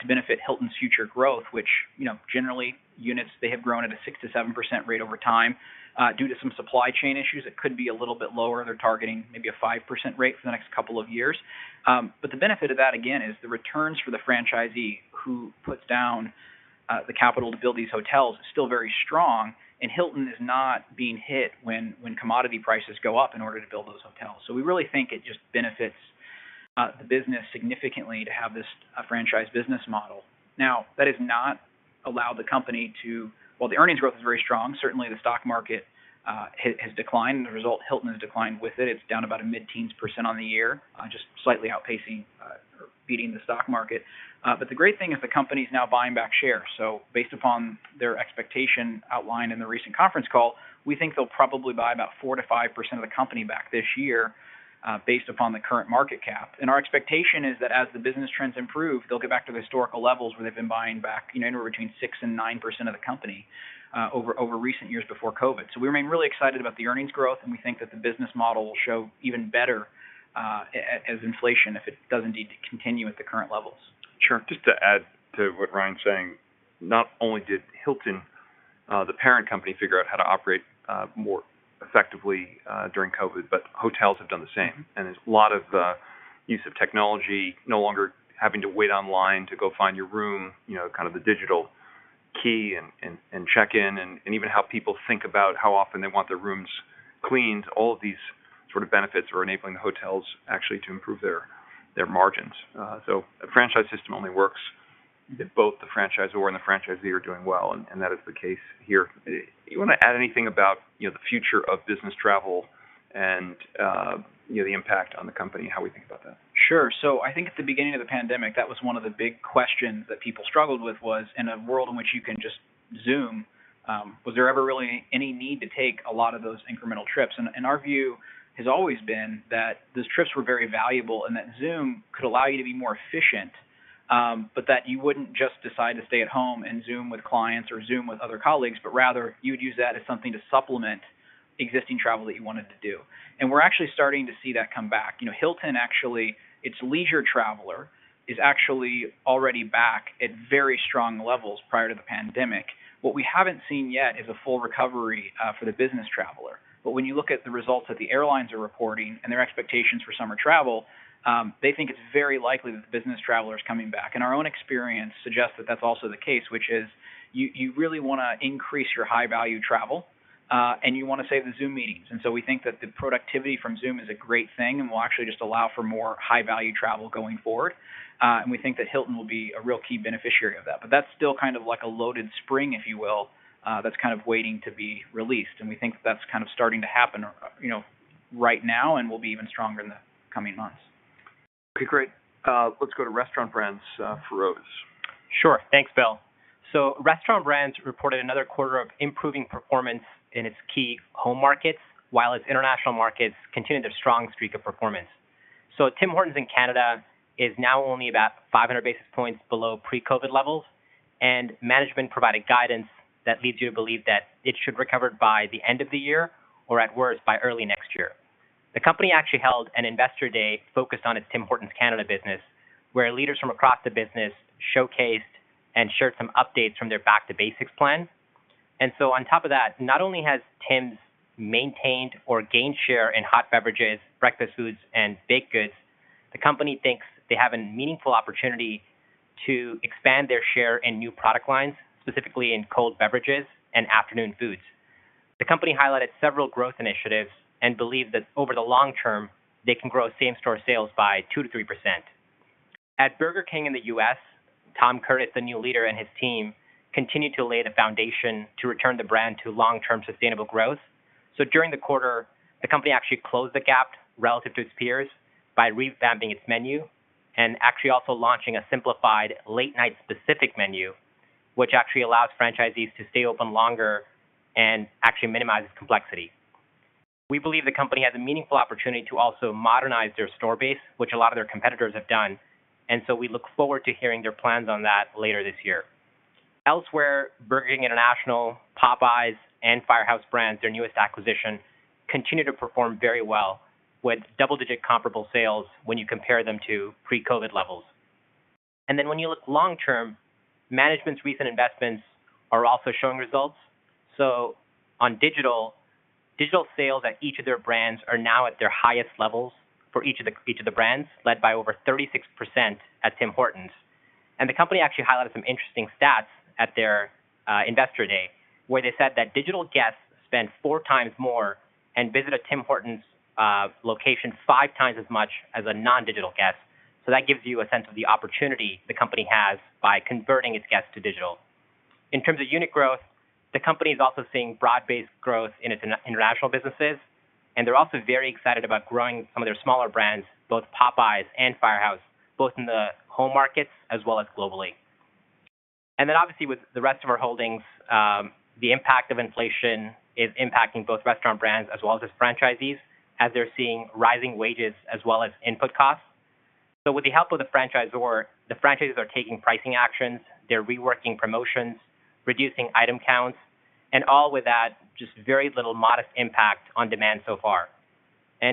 to benefit Hilton's future growth, which, you know, generally units, they have grown at a 6%-7% rate over time. Due to some supply chain issues, it could be a little bit lower. They're targeting maybe a 5% rate for the next couple of years. The benefit of that again is the returns for the franchisee who puts down the capital to build these hotels is still very strong, and Hilton is not being hit when commodity prices go up in order to build those hotels. We really think it just benefits the business significantly to have this a franchise business model. Now, that has not allowed the company. While the earnings growth is very strong, certainly the stock market has declined and as a result, Hilton has declined with it. It's down about a mid-teens% on the year, just slightly outpacing or beating the stock market. The great thing is the company is now buying back shares. Based upon their expectation outlined in the recent conference call, we think they'll probably buy about 4%-5% of the company back this year, based upon the current market cap. Our expectation is that as the business trends improve, they'll get back to the historical levels where they've been buying back, you know, anywhere between 6%-9% of the company, over recent years before COVID. We remain really excited about the earnings growth, and we think that the business model will show even better, as inflation, if it does indeed continue at the current levels. Sure. Just to add to what Ryan's saying, not only did Hilton, the parent company, figure out how to operate more effectively during COVID, but hotels have done the same. There's a lot of use of technology, no longer having to wait online to go find your room, you know, kind of the digital key and check-in, and even how people think about how often they want their rooms cleaned. All of these sort of benefits are enabling the hotels actually to improve their margins. So a franchise system only works if both the franchisor and the franchisee are doing well, and that is the case here. You wanna add anything about, you know, the future of business travel and, you know, the impact on the company and how we think about that? Sure. I think at the beginning of the pandemic, that was one of the big questions that people struggled with was, in a world in which you can just Zoom, was there ever really any need to take a lot of those incremental trips? Our view has always been that those trips were very valuable and that Zoom could allow you to be more efficient, but that you wouldn't just decide to stay at home and Zoom with clients or Zoom with other colleagues, but rather you'd use that as something to supplement existing travel that you wanted to do. We're actually starting to see that come back. You know, Hilton actually, its leisure traveler is actually already back at very strong levels prior to the pandemic. What we haven't seen yet is a full recovery for the business traveler. when you look at the results that the airlines are reporting and their expectations for summer travel, they think it's very likely that the business traveler is coming back. Our own experience suggests that that's also the case, which is you really wanna increase your high value travel, and you wanna save the Zoom meetings. We think that the productivity from Zoom is a great thing and will actually just allow for more high value travel going forward. We think that Hilton will be a real key beneficiary of that. That's still kind of like a loaded spring, if you will, that's kind of waiting to be released. We think that's kind of starting to happen, you know, right now and will be even stronger in the coming months. Okay, great. Let's go to Restaurant Brands, Feroz. Sure. Thanks, Bill. Restaurant Brands reported another quarter of improving performance in its key home markets, while its international markets continued their strong streak of performance. Tim Hortons in Canada is now only about 500bps below pre-COVID levels. Management provided guidance that leads you to believe that it should recover by the end of the year or at worst, by early next year. The company actually held an investor day focused on its Tim Hortons Canada business, where leaders from across the business showcased and shared some updates from their back-to-basics plan. On top of that, not only has Tim's maintained or gained share in hot beverages, breakfast foods, and baked goods, the company thinks they have a meaningful opportunity to expand their share in new product lines, specifically in cold beverages and afternoon foods. The company highlighted several growth initiatives and believe that over the long- term, they can grow same-store sales by 2%-3%. At Burger King in the U.S., Tom Curtis, the new leader, and his team, continue to lay the foundation to return the brand to long-term sustainable growth. During the quarter, the company actually closed the gap relative to its peers by revamping its menu and actually also launching a simplified late-night specific menu, which actually allows franchisees to stay open longer and actually minimizes complexity. We believe the company has a meaningful opportunity to also modernize their store base, which a lot of their competitors have done. We look forward to hearing their plans on that later this year. Elsewhere, Burger King International, Popeyes, and Firehouse Subs, their newest acquisition, continue to perform very well with double-digit comparable sales when you compare them to pre-COVID levels. When you look long-term, management's recent investments are also showing results. On digital sales at each of their brands are now at their highest levels for each of the brands, led by over 36% at Tim Hortons. The company actually highlighted some interesting stats at their investor day, where they said that digital guests spend four times more and visit a Tim Hortons location five times as much as a non-digital guest. That gives you a sense of the opportunity the company has by converting its guests to digital. In terms of unit growth, the company is also seeing broad-based growth in its international businesses. They're also very excited about growing some of their smaller brands, both Popeyes and Firehouse Subs, both in the home markets as well as globally. Then obviously with the rest of our holdings, the impact of inflation is impacting both Restaurant Brands as well as its franchisees as they're seeing rising wages as well as input costs. With the help of the franchisor, the franchisees are taking pricing actions, they're reworking promotions, reducing item counts, and all with that, just very little modest impact on demand so far.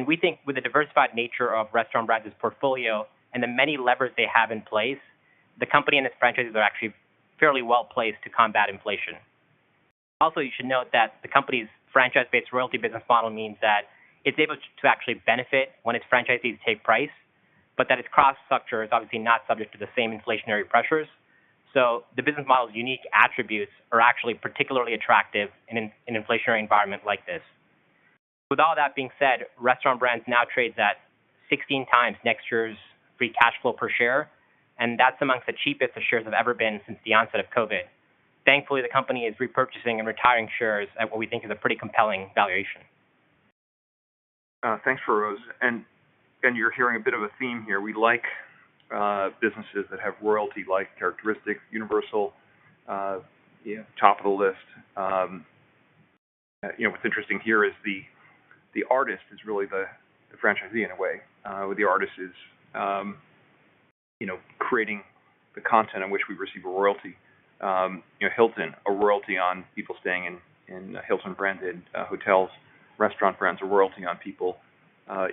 We think with the diversified nature of Restaurant Brands' portfolio and the many levers they have in place, the company and its franchisees are actually fairly well-placed to combat inflation. Also, you should note that the company's franchise-based royalty business model means that it's able to actually benefit when its franchisees take price, but that its cost structure is obviously not subject to the same inflationary pressures. The business model's unique attributes are actually particularly attractive in an inflationary environment like this. With all that being said, Restaurant Brands now trades at 16x next year's free cash flow per share, and that's among the cheapest the shares have ever been since the onset of COVID. Thankfully, the company is repurchasing and retiring shares at what we think is a pretty compelling valuation. Thanks, Feroz. You're hearing a bit of a theme here. We like businesses that have royalty-like characteristics. Universal top of the list. You know, what's interesting here is the artist is really the franchisee in a way. The artist is creating the content in which we receive a royalty. You know, Hilton, a royalty on people staying in Hilton-branded hotels. Restaurant Brands, a royalty on people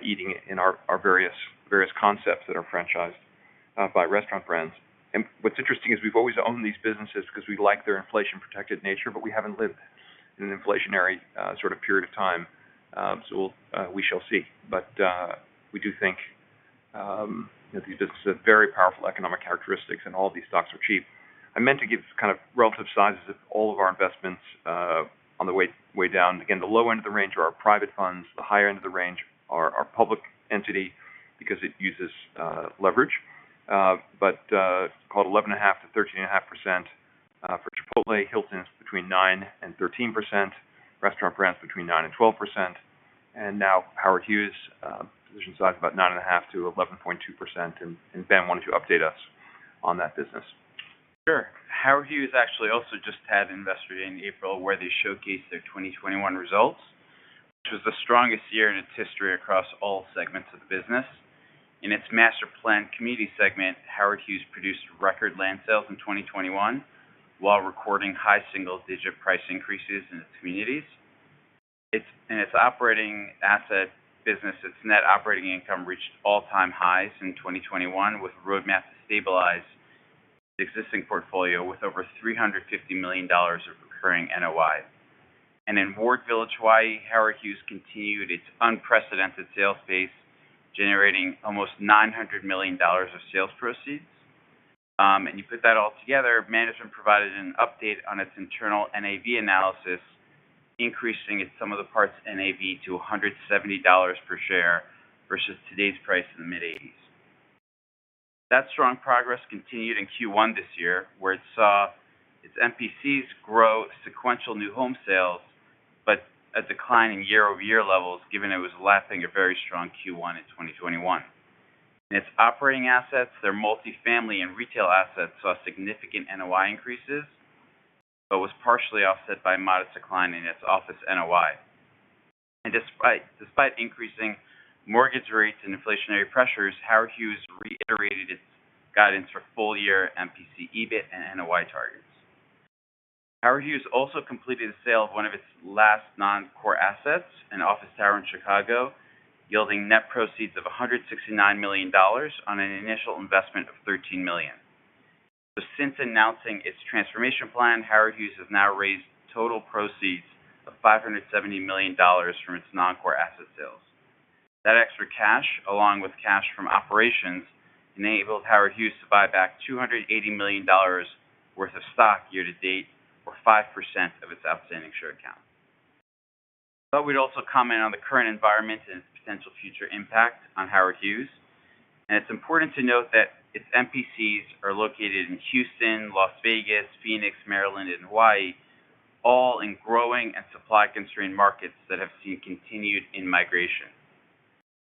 eating in our various concepts that are franchised by Restaurant Brands. What's interesting is we've always owned these businesses 'cause we like their inflation-protected nature, but we haven't lived in an inflationary sort of period of time. We shall see. We do think these businesses have very powerful economic characteristics and all these stocks are cheap. I meant to give kind of relative sizes of all of our investments on the way down. Again, the low end of the range are our private funds. The higher end of the range are our public entity because it uses leverage. But call it 11.5%- 13.5% for Chipotle. Hilton is between 9%-13%. Restaurant Brands between 9%-12%. And now Howard Hughes position size about 9.5%-11.2%. And Ben wanted to update us on that business. Sure. Howard Hughes actually also just had investor day in April, where they showcased their 2021 results, which was the strongest year in its history across all segments of the business. In its master-planned community segment, Howard Hughes produced record land sales in 2021 while recording high single-digit price increases in its communities. In its operating asset business, its net operating income reached all-time highs in 2021 with a roadmap to stabilize the existing portfolio with over $350 million of recurring NOI. In Ward Village, Hawaii, Howard Hughes continued its unprecedented sales pace, generating almost $900 million of sales proceeds. You put that all together, management provided an update on its internal NAV analysis, increasing its sum of the parts NAV to $170 per share versus today's price in the mid-80s. That strong progress continued in Q1 this year, where it saw its MPCs grow sequential new home sales, but a decline in year-over-year levels, given it was lapping a very strong Q1 in 2021. In its operating assets, their multifamily and retail assets saw significant NOI increaseswas partially offset by a modest decline in its office NOI. Despite increasing mortgage rates and inflationary pressures, Howard Hughes reiterated its guidance for full-year MPC EBIT and NOI targets. Howard Hughes also completed the sale of one of its last non-core assets, an office tower in Chicago, yielding net proceeds of $169 million on an initial investment of $13 million. Since announcing its transformation plan, Howard Hughes has now raised total proceeds of $570 million from its non-core asset sales. That extra cash, along with cash from operations, enabled Howard Hughes to buy back $280 million worth of stock year-to-date, or 5% of its outstanding share count. I thought we'd also comment on the current environment and its potential future impact on Howard Hughes, and it's important to note that its MPCs are located in Houston, Las Vegas, Phoenix, Maryland, and Hawaii, all in growing and supply-constrained markets that have seen continued in-migration.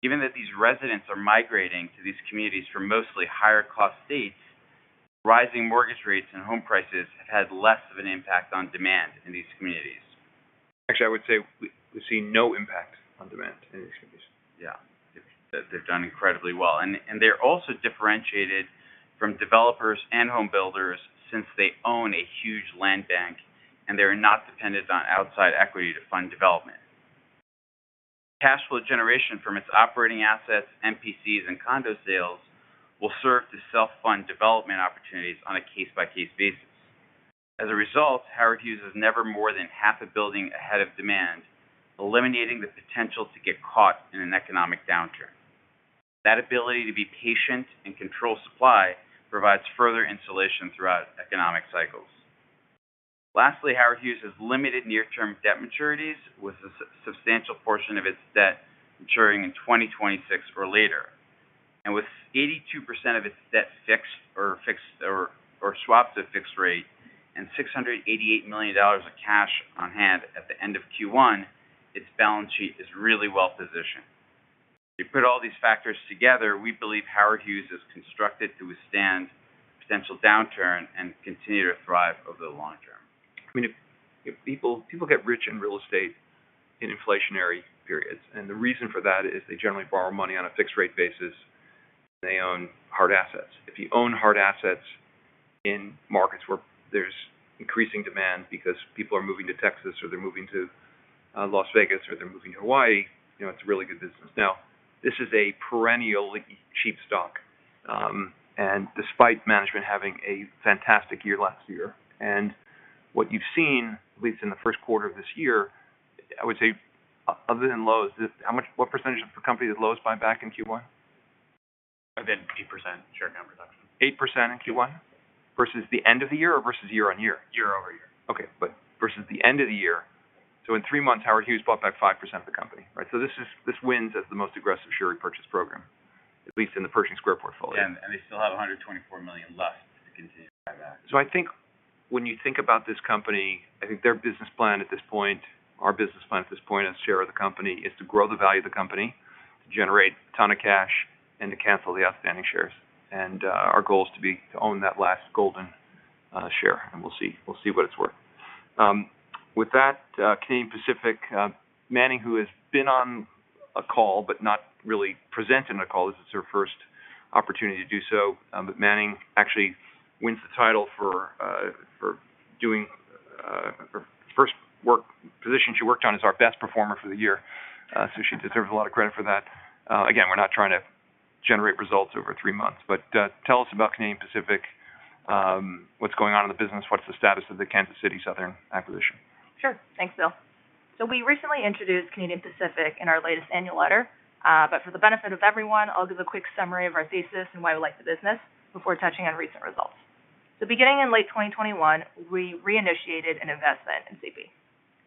Given that these residents are migrating to these communities from mostly higher cost states, rising mortgage rates and home prices have had less of an impact on demand in these communities. Actually, I would say we've seen no impact on demand in these communities. Yeah. They've done incredibly well. They're also differentiated from developers and home builders since they own a huge land bank, and they are not dependent on outside equity to fund development. Cash flow generation from its operating assets, MPCs and condo sales will serve to self-fund development opportunities on a case-by-case basis. As a result, Howard Hughes is never more than half a building ahead of demand, eliminating the potential to get caught in an economic downturn. That ability to be patient and control supply provides further insulation throughout economic cycles. Lastly, Howard Hughes has limited near-term debt maturities, with a substantial portion of its debt maturing in 2026 or later. With 82% of its debt fixed or swapped to fixed rate and $688 million of cash on hand at the end of Q1, its balance sheet is really well-positioned. You put all these factors together, we believe Howard Hughes is constructed to withstand potential downturn and continue to thrive over the long-term. I mean, if people get rich in real estate in inflationary periods, and the reason for that is they generally borrow money on a fixed rate basis, and they own hard assets. If you own hard assets in markets where there's increasing demand because people are moving to Texas or they're moving to Las Vegas or they're moving to Hawaii, you know, it's really good business. Now, this is a perennially cheap stock, and despite management having a fantastic year last year. What you've seen, at least in the first quarter of this year, I would say other than Lowe's, what percentage of the company did Lowe's buy back in Q1? I think 8% share count reduction. 8% in Q1? Versus the end of the year or versus year-on-year? Year-over-year. Okay. Versus the end of the year. In three months, Howard Hughes bought back 5% of the company, right? This is, this wins as the most aggressive share repurchase program, at least in the Pershing Square portfolio. They still have $124 million left to continue to buy back. I think when you think about this company, I think their business plan at this point, our business plan at this point as a share of the company, is to grow the value of the company, generate a ton of cash, and to cancel the outstanding shares. Our goal is to own that last golden share, and we'll see. We'll see what it's worth. With that, Canadian Pacific, Manning, who has been on a call but not really presented in a call, this is her first opportunity to do so. But Manning actually wins the title for first work position she worked on is our best performer for the year. She deserves a lot of credit for that. Again, we're not trying to generate results over three months. Tell us about Canadian Pacific. What's going on in the business? What's the status of the Kansas City Southern acquisition? Sure. Thanks, Bill. We recently introduced Canadian Pacific in our latest annual letter. For the benefit of everyone, I'll give a quick summary of our thesis and why we like the business before touching on recent results. Beginning in late 2021, we reinitiated an investment in CP.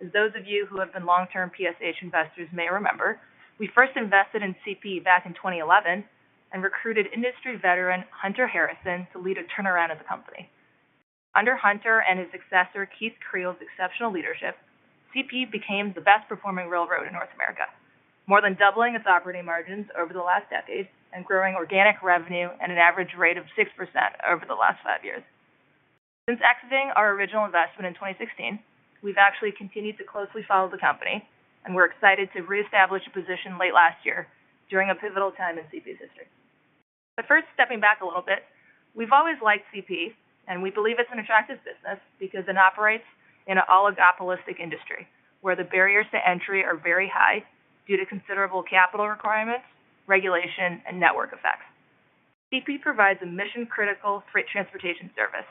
As those of you who have been long-term PSH investors may remember, we first invested in CP back in 2011 and recruited industry veteran Hunter Harrison to lead a turnaround of the company. Under Hunter and his successor Keith Creel's exceptional leadership, CP became the best performing railroad in North America, more than doubling its operating margins over the last decade and growing organic revenue at an average rate of 6% over the last five years. Since exiting our original investment in 2016, we've actually continued to closely follow the company, and we're excited to reestablish a position late last year during a pivotal time in CP's history. First, stepping back a little bit, we've always liked CP, and we believe it's an attractive business because it operates in an oligopolistic industry where the barriers to entry are very high due to considerable capital requirements, regulation, and network effects. CP provides a mission-critical freight transportation service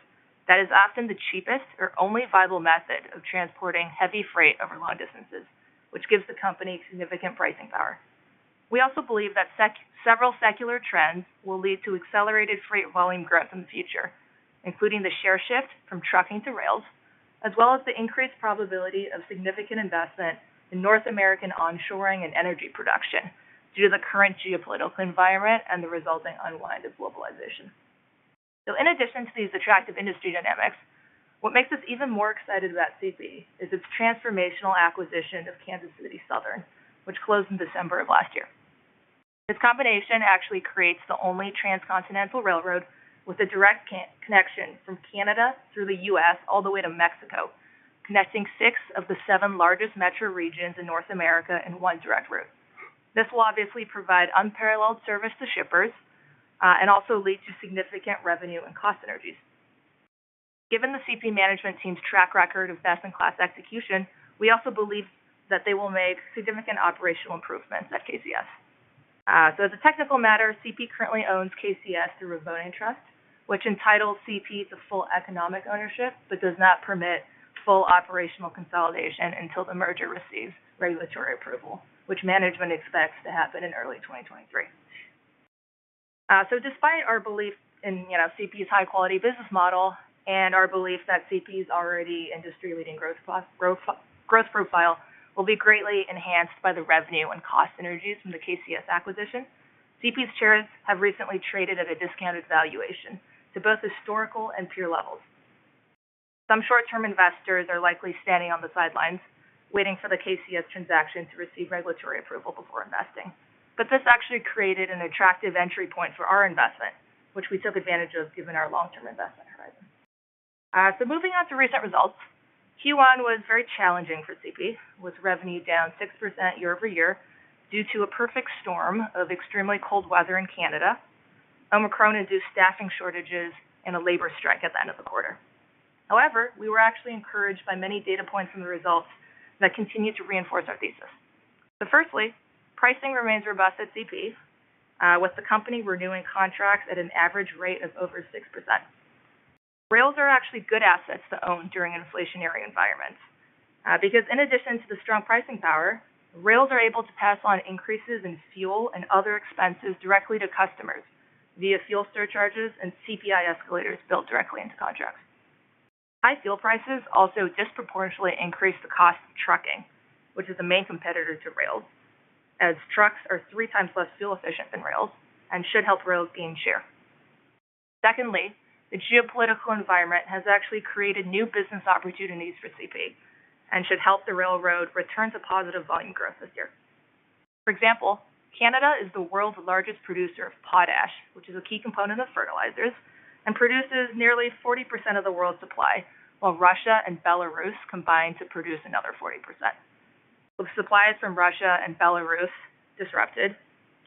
that is often the cheapest or only viable method of transporting heavy freight over long distances, which gives the company significant pricing power. We also believe that several secular trends will lead to accelerated freight volume growth in the future, including the share shift from trucking to rails, as well as the increased probability of significant investment in North American onshoring and energy production due to the current geopolitical environment and the resulting unwind of globalization. In addition to these attractive industry dynamics, what makes us even more excited about CP is its transformational acquisition of Kansas City Southern, which closed in December of last year. This combination actually creates the only transcontinental railroad with a direct connection from Canada through the U.S. all the way to Mexico, connecting six of the seven largest metro regions in North America in one direct route. This will obviously provide unparalleled service to shippers, and also lead to significant revenue and cost synergies. Given the CP management team's track record of best-in-class execution, we also believe that they will make significant operational improvements at KCS. As a technical matter, CP currently owns KCS through a voting trust, which entitles CP to full economic ownership, but does not permit full operational consolidation until the merger receives regulatory approval, which management expects to happen in early 2023. Despite our belief in, you know, CP's high-quality business model and our belief that CP's already industry-leading growth profile will be greatly enhanced by the revenue and cost synergies from the KCS acquisition, CP's shares have recently traded at a discounted valuation to both historical and peer levels. Some short-term investors are likely standing on the sidelines waiting for the KCS transaction to receive regulatory approval before investing. This actually created an attractive entry point for our investment, which we took advantage of given our long-term investment horizon. Moving on to recent results. Q1 was very challenging for CP, with revenue down 6% year-over-year due to a perfect storm of extremely cold weather in Canada, Omicron-induced staffing shortages, and a labor strike at the end of the quarter. However, we were actually encouraged by many data points from the results that continue to reinforce our thesis. Firstly, pricing remains robust at CP, with the company renewing contracts at an average rate of over 6%. Rails are actually good assets to own during an inflationary environment, because in addition to the strong pricing power, rails are able to pass on increases in fuel and other expenses directly to customers via fuel surcharges and CPI escalators built directly into contracts. High fuel prices also disproportionately increase the cost of trucking, which is a main competitor to rails, as trucks are three times less fuel efficient than rails and should help rails gain share. Secondly, the geopolitical environment has actually created new business opportunities for CP and should help the railroad return to positive volume growth this year. For example, Canada is the world's largest producer of potash, which is a key component of fertilizers, and produces nearly 40% of the world's supply, while Russia and Belarus combine to produce another 40%. With supplies from Russia and Belarus disrupted,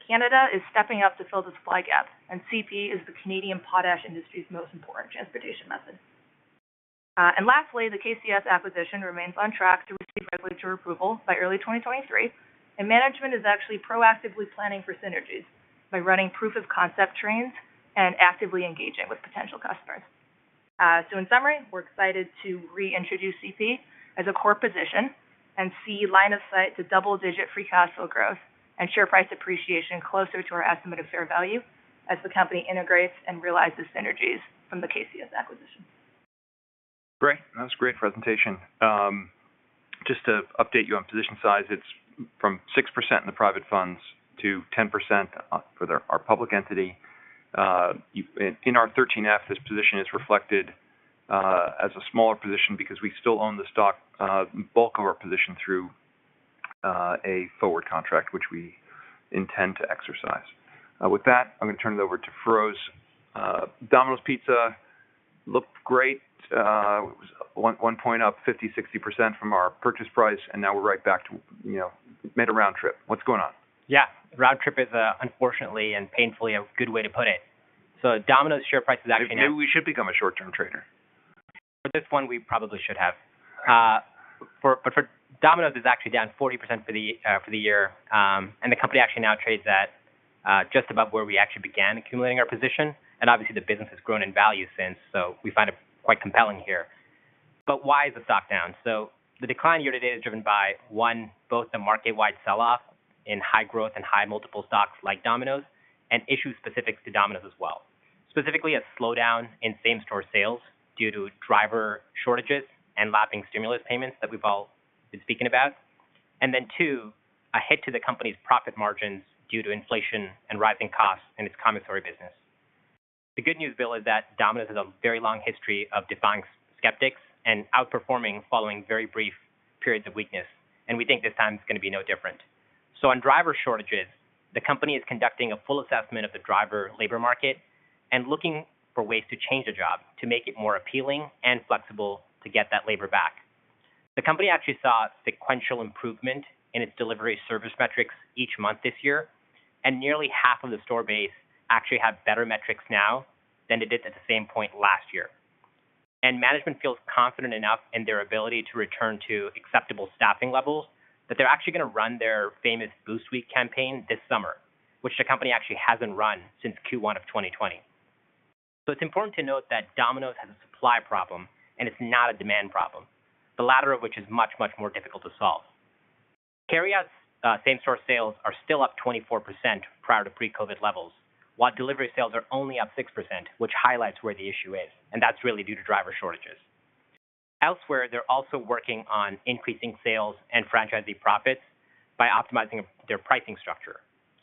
Canada is stepping up to fill the supply gap, and CP is the Canadian potash industry's most important transportation method. Lastly, the KCS acquisition remains on track to receive regulatory approval by early 2023, and management is actually proactively planning for synergies by running proof of concept trains and actively engaging with potential customers. In summary, we're excited to reintroduce CP as a core position and see line of sight to double-digit free cash flow growth and share price appreciation closer to our estimate of fair value as the company integrates and realizes synergies from the KCS acquisition. Great. That was a great presentation. Just to update you on position size, it's from 6% in the private funds to 10% for our public entity. In our 13F, this position is reflected as a smaller position because we still own the stock, bulk of our position through a forward contract, which we intend to exercise. With that, I'm gonna turn it over to Feroz. Domino's Pizza looked great. It was one point up 50%-60% from our purchase price, and now we're right back to, you know, made a round trip. What's going on? Round trip is, unfortunately and painfully, a good way to put it. Domino's share price is actually now- Maybe we should become a short-term trader. For this one, we probably should have. Domino's is actually down 40% for the year, and the company actually now trades at just about where we actually began accumulating our position, and obviously the business has grown in value since. We find it quite compelling here. Why is the stock down? The decline year-to-date is driven by, one, both the market-wide sell off in high growth and high multiple stocks like Domino's and issues specific to Domino's as well, specifically a slowdown in same-store sales due to driver shortages and lapping stimulus payments that we've all been speaking about. Two, a hit to the company's profit margins due to inflation and rising costs in its commissary business. The good news, Bill, is that Domino's has a very long history of defying skeptics and outperforming following very brief periods of weakness, and we think this time is gonna be no different. On driver shortages, the company is conducting a full assessment of the driver labor market and looking for ways to change the job to make it more appealing and flexible to get that labor back. The company actually saw sequential improvement in its delivery service metrics each month this year, and nearly half of the store base actually have better metrics now than it did at the same point last year. Management feels confident enough in their ability to return to acceptable staffing levels that they're actually gonna run their famous Boost Week campaign this summer, which the company actually hasn't run since Q1 of 2020. It's important to note that Domino's has a supply problem, and it's not a demand problem, the latter of which is much, much more difficult to solve. Carryout same-store sales are still up 24% prior to pre-COVID levels, while delivery sales are only up 6%, which highlights where the issue is, and that's really due to driver shortages. Elsewhere, they're also working on increasing sales and franchisee profits by optimizing their pricing structure.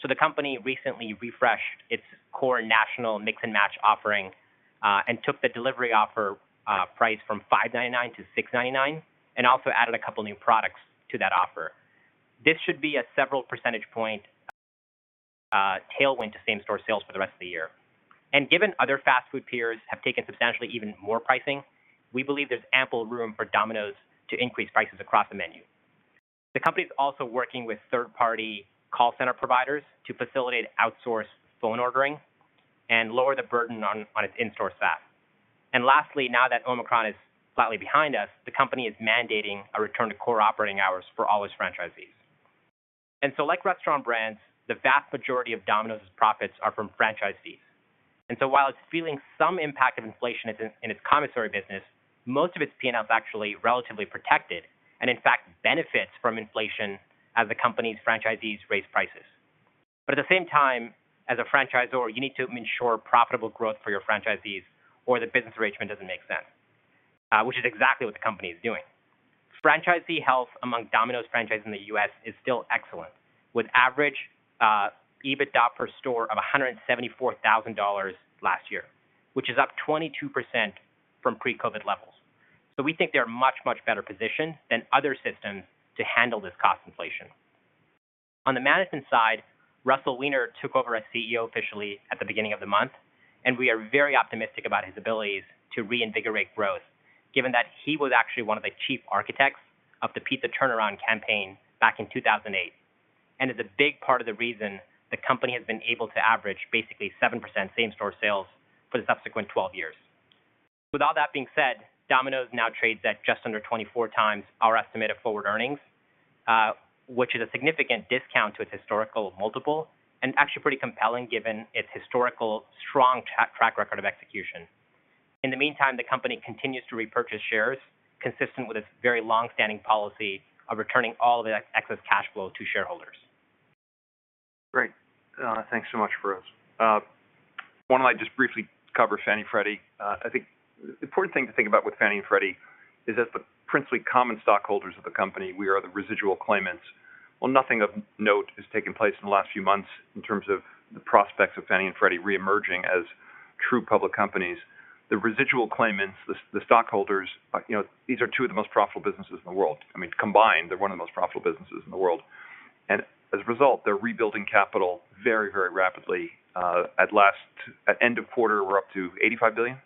The company recently refreshed its core national Mix & Match offering, and took the delivery offer price from $5.99 - $6.99, and also added a couple new products to that offer. This should be a several percentage point tailwind to same-store sales for the rest of the year. Given other fast food peers have taken substantially even more pricing, we believe there's ample room for Domino's to increase prices across the menu. The company is also working with third-party call center providers to facilitate outsourced phone ordering and lower the burden on its in-store staff. Lastly, now that Omicron is slightly behind us, the company is mandating a return to core operating hours for all its franchisees. Like Restaurant Brands, the vast majority of Domino's profits are from franchisees. While it's feeling some impact of inflation in its commissary business, most of its P&L is actually relatively protected, and in fact benefits from inflation as the company's franchisees raise prices. At the same time, as a franchisor, you need to ensure profitable growth for your franchisees or the business arrangement doesn't make sense, which is exactly what the company is doing. Franchisee health among Domino's franchises in the U.S. is still excellent, with average EBITDA per store of $174,000 last year, which is up 22% from pre-COVID levels. We think they're much, much better positioned than other systems to handle this cost inflation. On the management side, Russell Weiner took over as CEO officially at the beginning of the month, and we are very optimistic about his abilities to reinvigorate growth, given that he was actually one of the chief architects of the pizza turnaround campaign back in 2008, and is a big part of the reason the company has been able to average basically 7% same-store sales for the subsequent 12 years. With all that being said, Domino's now trades at just under 24x our estimate of forward earnings, which is a significant discount to its historical multiple and actually pretty compelling given its historical strong track record of execution. In the meantime, the company continues to repurchase shares consistent with its very long-standing policy of returning all the excess cash flow to shareholders. Great. Thanks so much, Feroz. Why don't I just briefly cover Fannie and Freddie? I think the important thing to think about with Fannie and Freddie is that the principally common stockholders of the company, we are the residual claimants. While nothing of note has taken place in the last few months in terms of the prospects of Fannie and Freddie reemerging as true public companies, the residual claimants, the stockholders, you know, these are two of the most profitable businesses in the world. I mean, combined, they're one of the most profitable businesses in the world. As a result, they're rebuilding capital very, very rapidly. At end of quarter, we're up to $85 billion,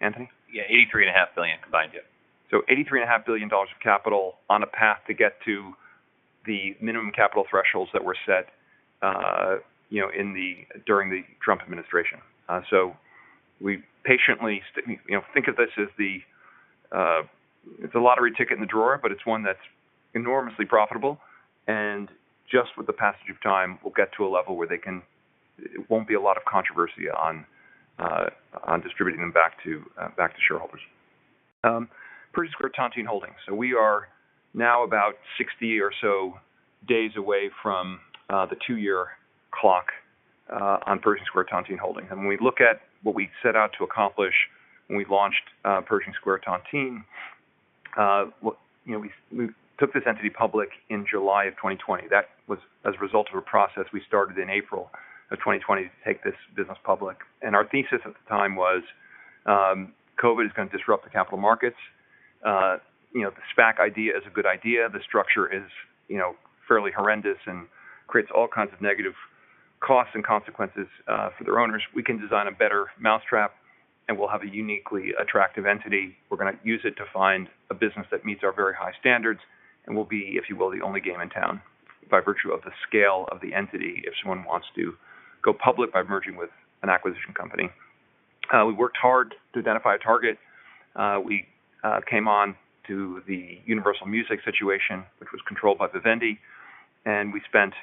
Anthony? Yeah, $83.5 billion combined, yeah. $83.5 billion of capital on a path to get to the minimum capital thresholds that were set, you know, during the Trump administration. We patiently you know, think of this as the, it's a lottery ticket in the drawer, but it's one that's enormously profitable, and just with the passage of time, will get to a level where they can. It won't be a lot of controversy on distributing them back to shareholders. Pershing Square Tontine Holdings. We are now about 60 or so days away from the two-year clock on Pershing Square Tontine Holdings. When we look at what we set out to accomplish when we launched Pershing Square Tontine, you know, we took this entity public in July of 2020. That was as a result of a process we started in April of 2020 to take this business public. Our thesis at the time was, COVID is gonna disrupt the capital markets. You know, the SPAC idea is a good idea. The structure is, you know, fairly horrendous and creates all kinds of negative costs and consequences for their owners. We can design a better mousetrap, and we'll have a uniquely attractive entity. We're gonna use it to find a business that meets our very high standards, and we'll be, if you will, the only game in town by virtue of the scale of the entity if someone wants to go public by merging with an acquisition company. We worked hard to identify a target. We came on to the Universal Music situation, which was controlled by Vivendi, and we spent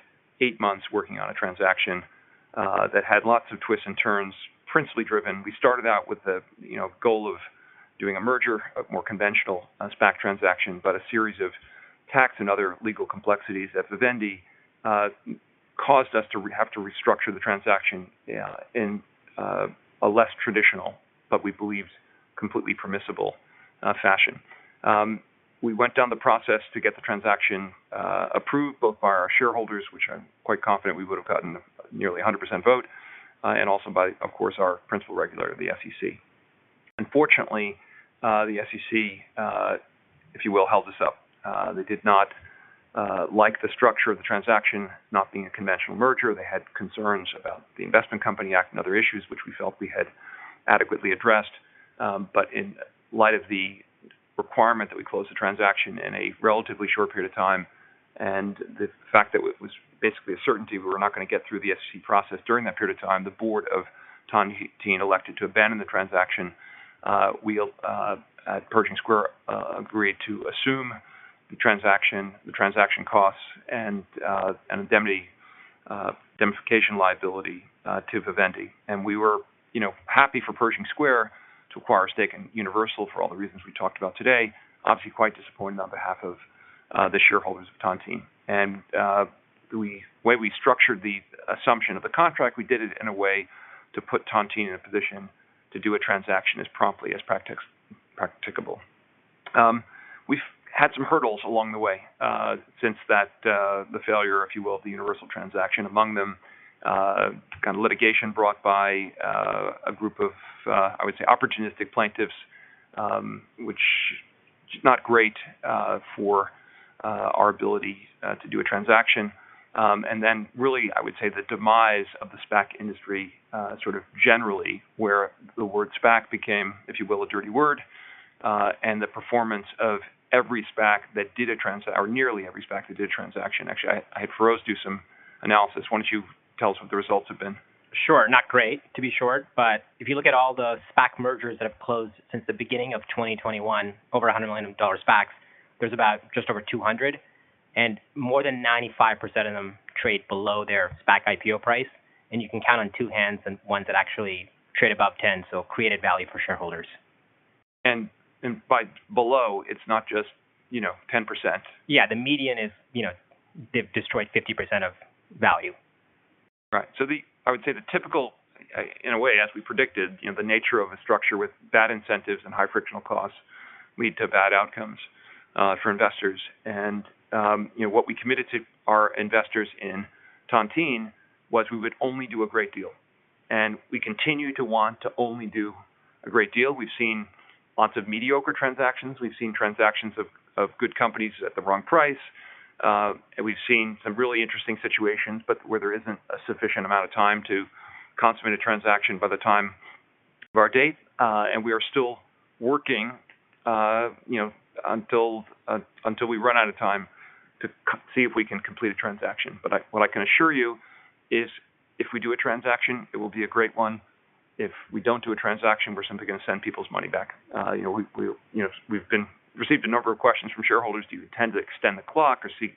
eight months working on a transaction that had lots of twists and turns, principally driven. We started out with the, you know, goal of doing a merger, a more conventional SPAC transaction, but a series of tax and other legal complexities at Vivendi caused us to have to restructure the transaction in a less traditional, but we believed completely permissible fashion. We went down the process to get the transaction approved both by our shareholders, which I'm quite confident we would have gotten nearly 100% vote, and also by, of course, our principal regulator, the SEC. Unfortunately, the SEC, if you will, held us up. They did not like the structure of the transaction not being a conventional merger. They had concerns about the Investment Company Act and other issues which we felt we had adequately addressed. In light of the requirement that we close the transaction in a relatively short period of time and the fact that it was basically a certainty we were not gonna get through the SEC process during that period of time, the board of Tontine elected to abandon the transaction. We at Pershing Square agreed to assume the transaction costs and an indemnification liability to Vivendi. We were, you know, happy for Pershing Square to acquire a stake in Universal for all the reasons we talked about today. Obviously, quite disappointed on behalf of the shareholders of Tontine. Way we structured the assumption of the contract, we did it in a way to put Tontine in a position to do a transaction as promptly as practicable. We've had some hurdles along the way, since that the failure, if you will, of the Universal transaction. Among them, kind of litigation brought by a group of, I would say opportunistic plaintiffs, which is not great for our ability to do a transaction. Then really, I would say the demise of the SPAC industry, sort of generally where the word SPAC became, if you will, a dirty word, and the performance of every SPAC that did or nearly every SPAC that did a transaction. Actually, I had Feroz do some analysis. Why don't you tell us what the results have been? Sure. Not great, to be short. If you look at all the SPAC mergers that have closed since the beginning of 2021, over $100 million SPACs, there's about just over 200, and more than 95% of them trade below their SPAC IPO price. You can count on two hands the ones that actually trade above $10, so created value for shareholders. Buy below, it's not just, you know, 10%. Yeah. The median is, you know, they've destroyed 50% of value. Right. I would say the typical, in a way, as we predicted, you know, the nature of a structure with bad incentives and high frictional costs lead to bad outcomes, for investors. You know, what we committed to our investors in Tontine was we would only do a great deal, and we continue to want to only do a great deal. We've seen lots of mediocre transactions. We've seen transactions of good companies at the wrong price. We've seen some really interesting situations, but where there isn't a sufficient amount of time to consummate a transaction by the time of our date. We are still working, you know, until we run out of time to see if we can complete a transaction. What I can assure you is if we do a transaction, it will be a great one. If we don't do a transaction, we're simply gonna send people's money back. We've received a number of questions from shareholders. Do you intend to extend the clock or seek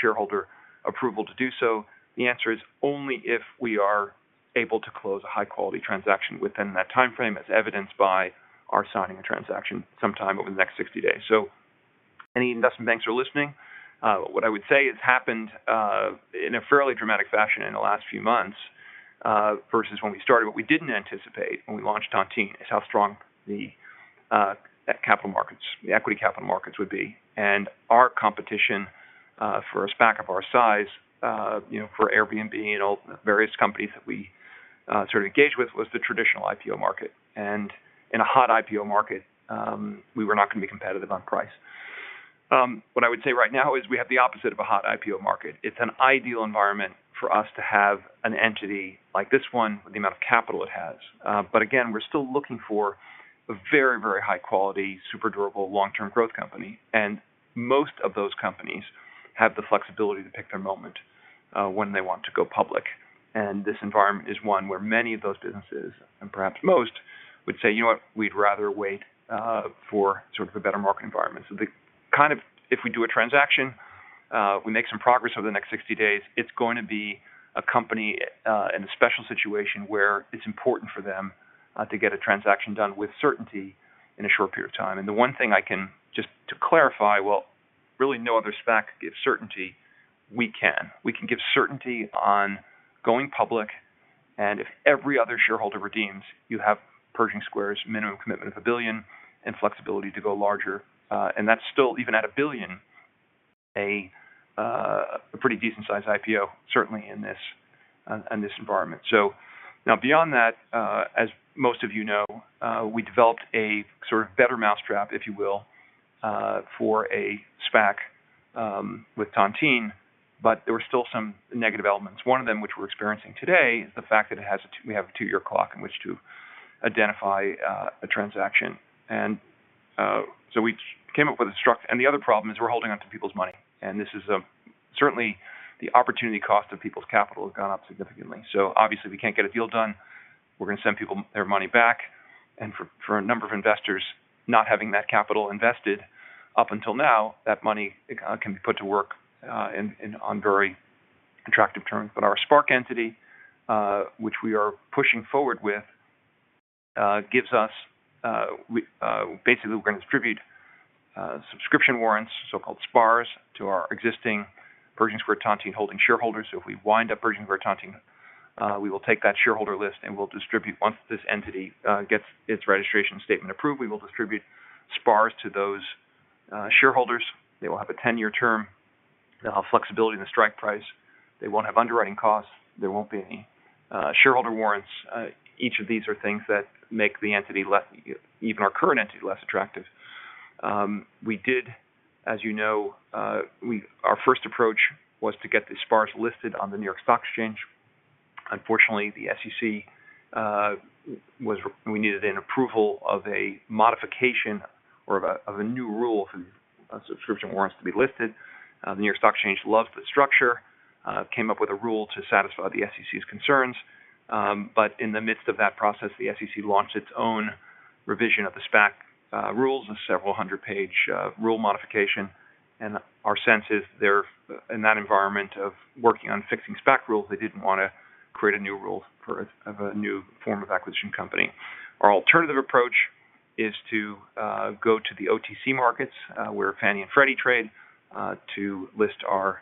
shareholder approval to do so? The answer is only if we are able to close a high-quality transaction within that timeframe, as evidenced by our signing a transaction sometime over the next 60 days. Any investment banks who are listening, what I would say has happened in a fairly dramatic fashion in the last few months versus when we started. What we didn't anticipate when we launched Tontine is how strong the capital markets, the equity capital markets would be. Our competition, for a SPAC of our size, you know, for Airbnb and all the various companies that we, sort of engaged with, was the traditional IPO market. In a hot IPO market, we were not gonna be competitive on price. What I would say right now is we have the opposite of a hot IPO market. It's an ideal environment for us to have an entity like this one with the amount of capital it has. Again, we're still looking for a very, very high quality, super durable, long-term growth company. Most of those companies have the flexibility to pick their moment, when they want to go public. This environment is one where many of those businesses, and perhaps most, would say, "You know what? We'd rather wait for sort of a better market environment. If we do a transaction, we make some progress over the next 60 days, it's going to be a company in a special situation where it's important for them to get a transaction done with certainty in a short period of time. The one thing I can, just to clarify, while really no other SPAC can give certainty, we can. We can give certainty on going public, and if every other shareholder redeems, you have Pershing Square's minimum commitment of $1 billion and flexibility to go larger. That's still, even at $1 billion, a pretty decent sized IPO, certainly in this environment. Now beyond that, as most of you know, we developed a sort of better mousetrap, if you will, for a SPAC, with Tontine, but there were still some negative elements. One of them which we're experiencing today is the fact that we have a two-year clock in which to identify a transaction. The other problem is we're holding on to people's money, and this is certainly the opportunity cost of people's capital has gone up significantly. Obviously, we can't get a deal done, we're gonna send people their money back. For a number of investors not having that capital invested up until now, that money can be put to work on very attractive terms. Our SPARC entity, which we are pushing forward with, gives us basically we're gonna distribute subscription warrants, so-called SPARS, to our existing Pershing Square Tontine Holdings shareholders. If we wind up Pershing Square Tontine Holdings, we will take that shareholder list, and we'll distribute. Once this entity gets its registration statement approved, we will distribute SPARS to those shareholders. They will have a 10-year term. They'll have flexibility in the strike price. They won't have underwriting costs. There won't be any shareholder warrants. Each of these are things that make the entity, even our current entity, less attractive. We did, as you know, our first approach was to get the SPARS listed on the New York Stock Exchange. Unfortunately, the SEC, we needed an approval of a modification or of a new rule for subscription warrants to be listed. The New York Stock Exchange loved the structure, came up with a rule to satisfy the SEC's concerns. In the midst of that process, the SEC launched its own revision of the SPAC rules, a several 100-page rule modification. Our sense is they're in that environment of working on fixing SPAC rules, they didn't wanna create a new rule for a new form of acquisition company. Our alternative approach is to go to the OTC markets, where Fannie Mae and Freddie Mac trade, to list our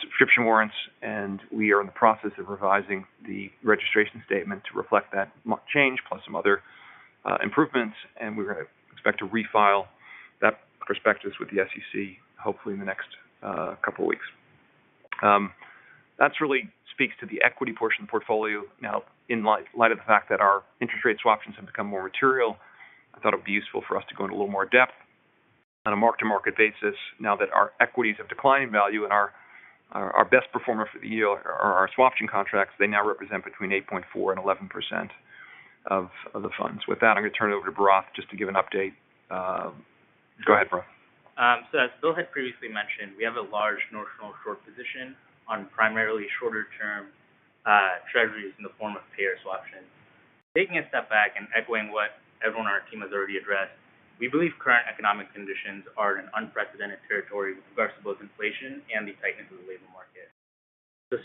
subscription warrants, and we are in the process of revising the registration statement to reflect that change, plus some other improvements, and we're gonna expect to refile that prospectus with the SEC, hopefully in the next couple of weeks. That really speaks to the equity portion of the portfolio. Now, in light of the fact that our interest rate swaptions have become more material, I thought it'd be useful for us to go into a little more depth on a mark-to-market basis now that our equities have declined in value and our best performer for the yield are our swaption contracts. They now represent between 8.4% and 11% of the funds. With that, I'm gonna turn it over to Bharath just to give an update. Go ahead, Bharath. As Bill had previously mentioned, we have a large notional short position on primarily shorter-term treasuries in the form of payer swaptions. Taking a step back and echoing what everyone on our team has already addressed, we believe current economic conditions are in unprecedented territory with regards to both inflation and the tightness of the labor market.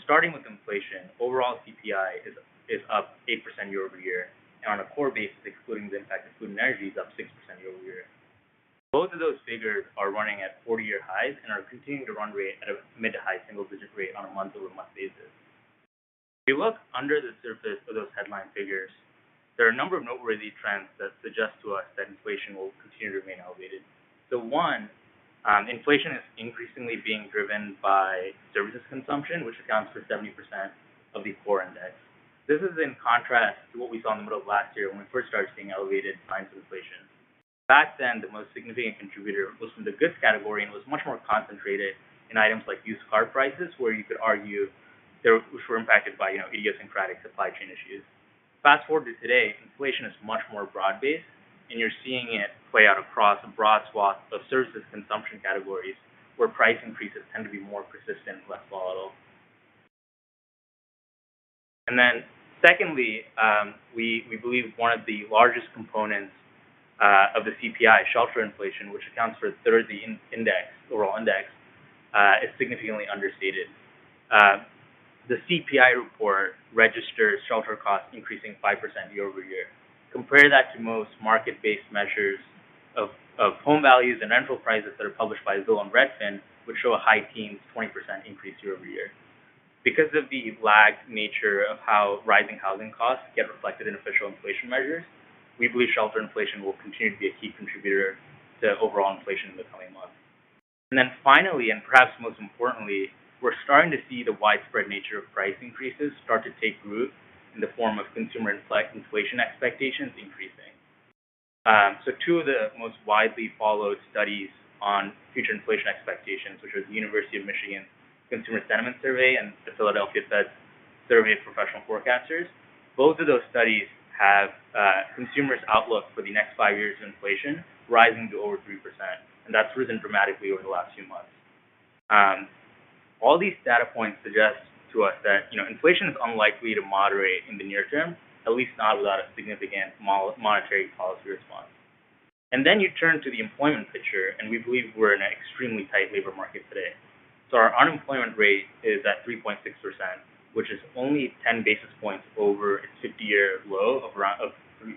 Starting with inflation, overall CPI is up 8% year-over-year, and on a core basis, excluding the impact of food and energy, is up 6% year-over-year. Both of those figures are running at 40-year highs and are continuing to run rate at a mid- to high-single-digit rate on a month-over-month basis. If you look under the surface of those headline figures, there are a number of noteworthy trends that suggest to us that inflation will continue to remain elevated. One, inflation is increasingly being driven by services consumption, which accounts for 70% of the core index. This is in contrast to what we saw in the middle of last year when we first started seeing elevated signs of inflation. Back then, the most significant contributor was from the goods category, and it was much more concentrated in items like used car prices, where you could argue which were impacted by, you know, idiosyncratic supply chain issues. Fast-forward to today, inflation is much more broad-based, and you're seeing it play out across a broad swath of services consumption categories, where price increases tend to be more persistent and less volatile. Secondly, we believe one of the largest components of the CPI, shelter inflation, which accounts for a third of the index, overall index, is significantly understated. The CPI report registers shelter costs increasing 5% year-over-year. Compare that to most market-based measures of home values and rental prices that are published by Zillow and Redfin, which show a high teens, +20% year-over-year. Because of the lagged nature of how rising housing costs get reflected in official inflation measures, we believe shelter inflation will continue to be a key contributor to overall inflation in the coming months. Finally, and perhaps most importantly, we're starting to see the widespread nature of price increases start to take root in the form of consumer inflation expectations increasing. Two of the most widely followed studies on future inflation expectations, which is the University of Michigan Consumer Sentiment Index and the Philadelphia Fed Survey of Professional Forecasters, both of those studies have consumers' outlook for the next 5 years of inflation rising to over 3%, and that's risen dramatically over the last few months. All these data points suggest to us that, you know, inflation is unlikely to moderate in the near term, at least not without a significant monetary policy response. You turn to the employment picture, and we believe we're in an extremely tight labor market today. Our unemployment rate is at 3.6%, which is only ten basis points over its 50-year low of around 3.5%.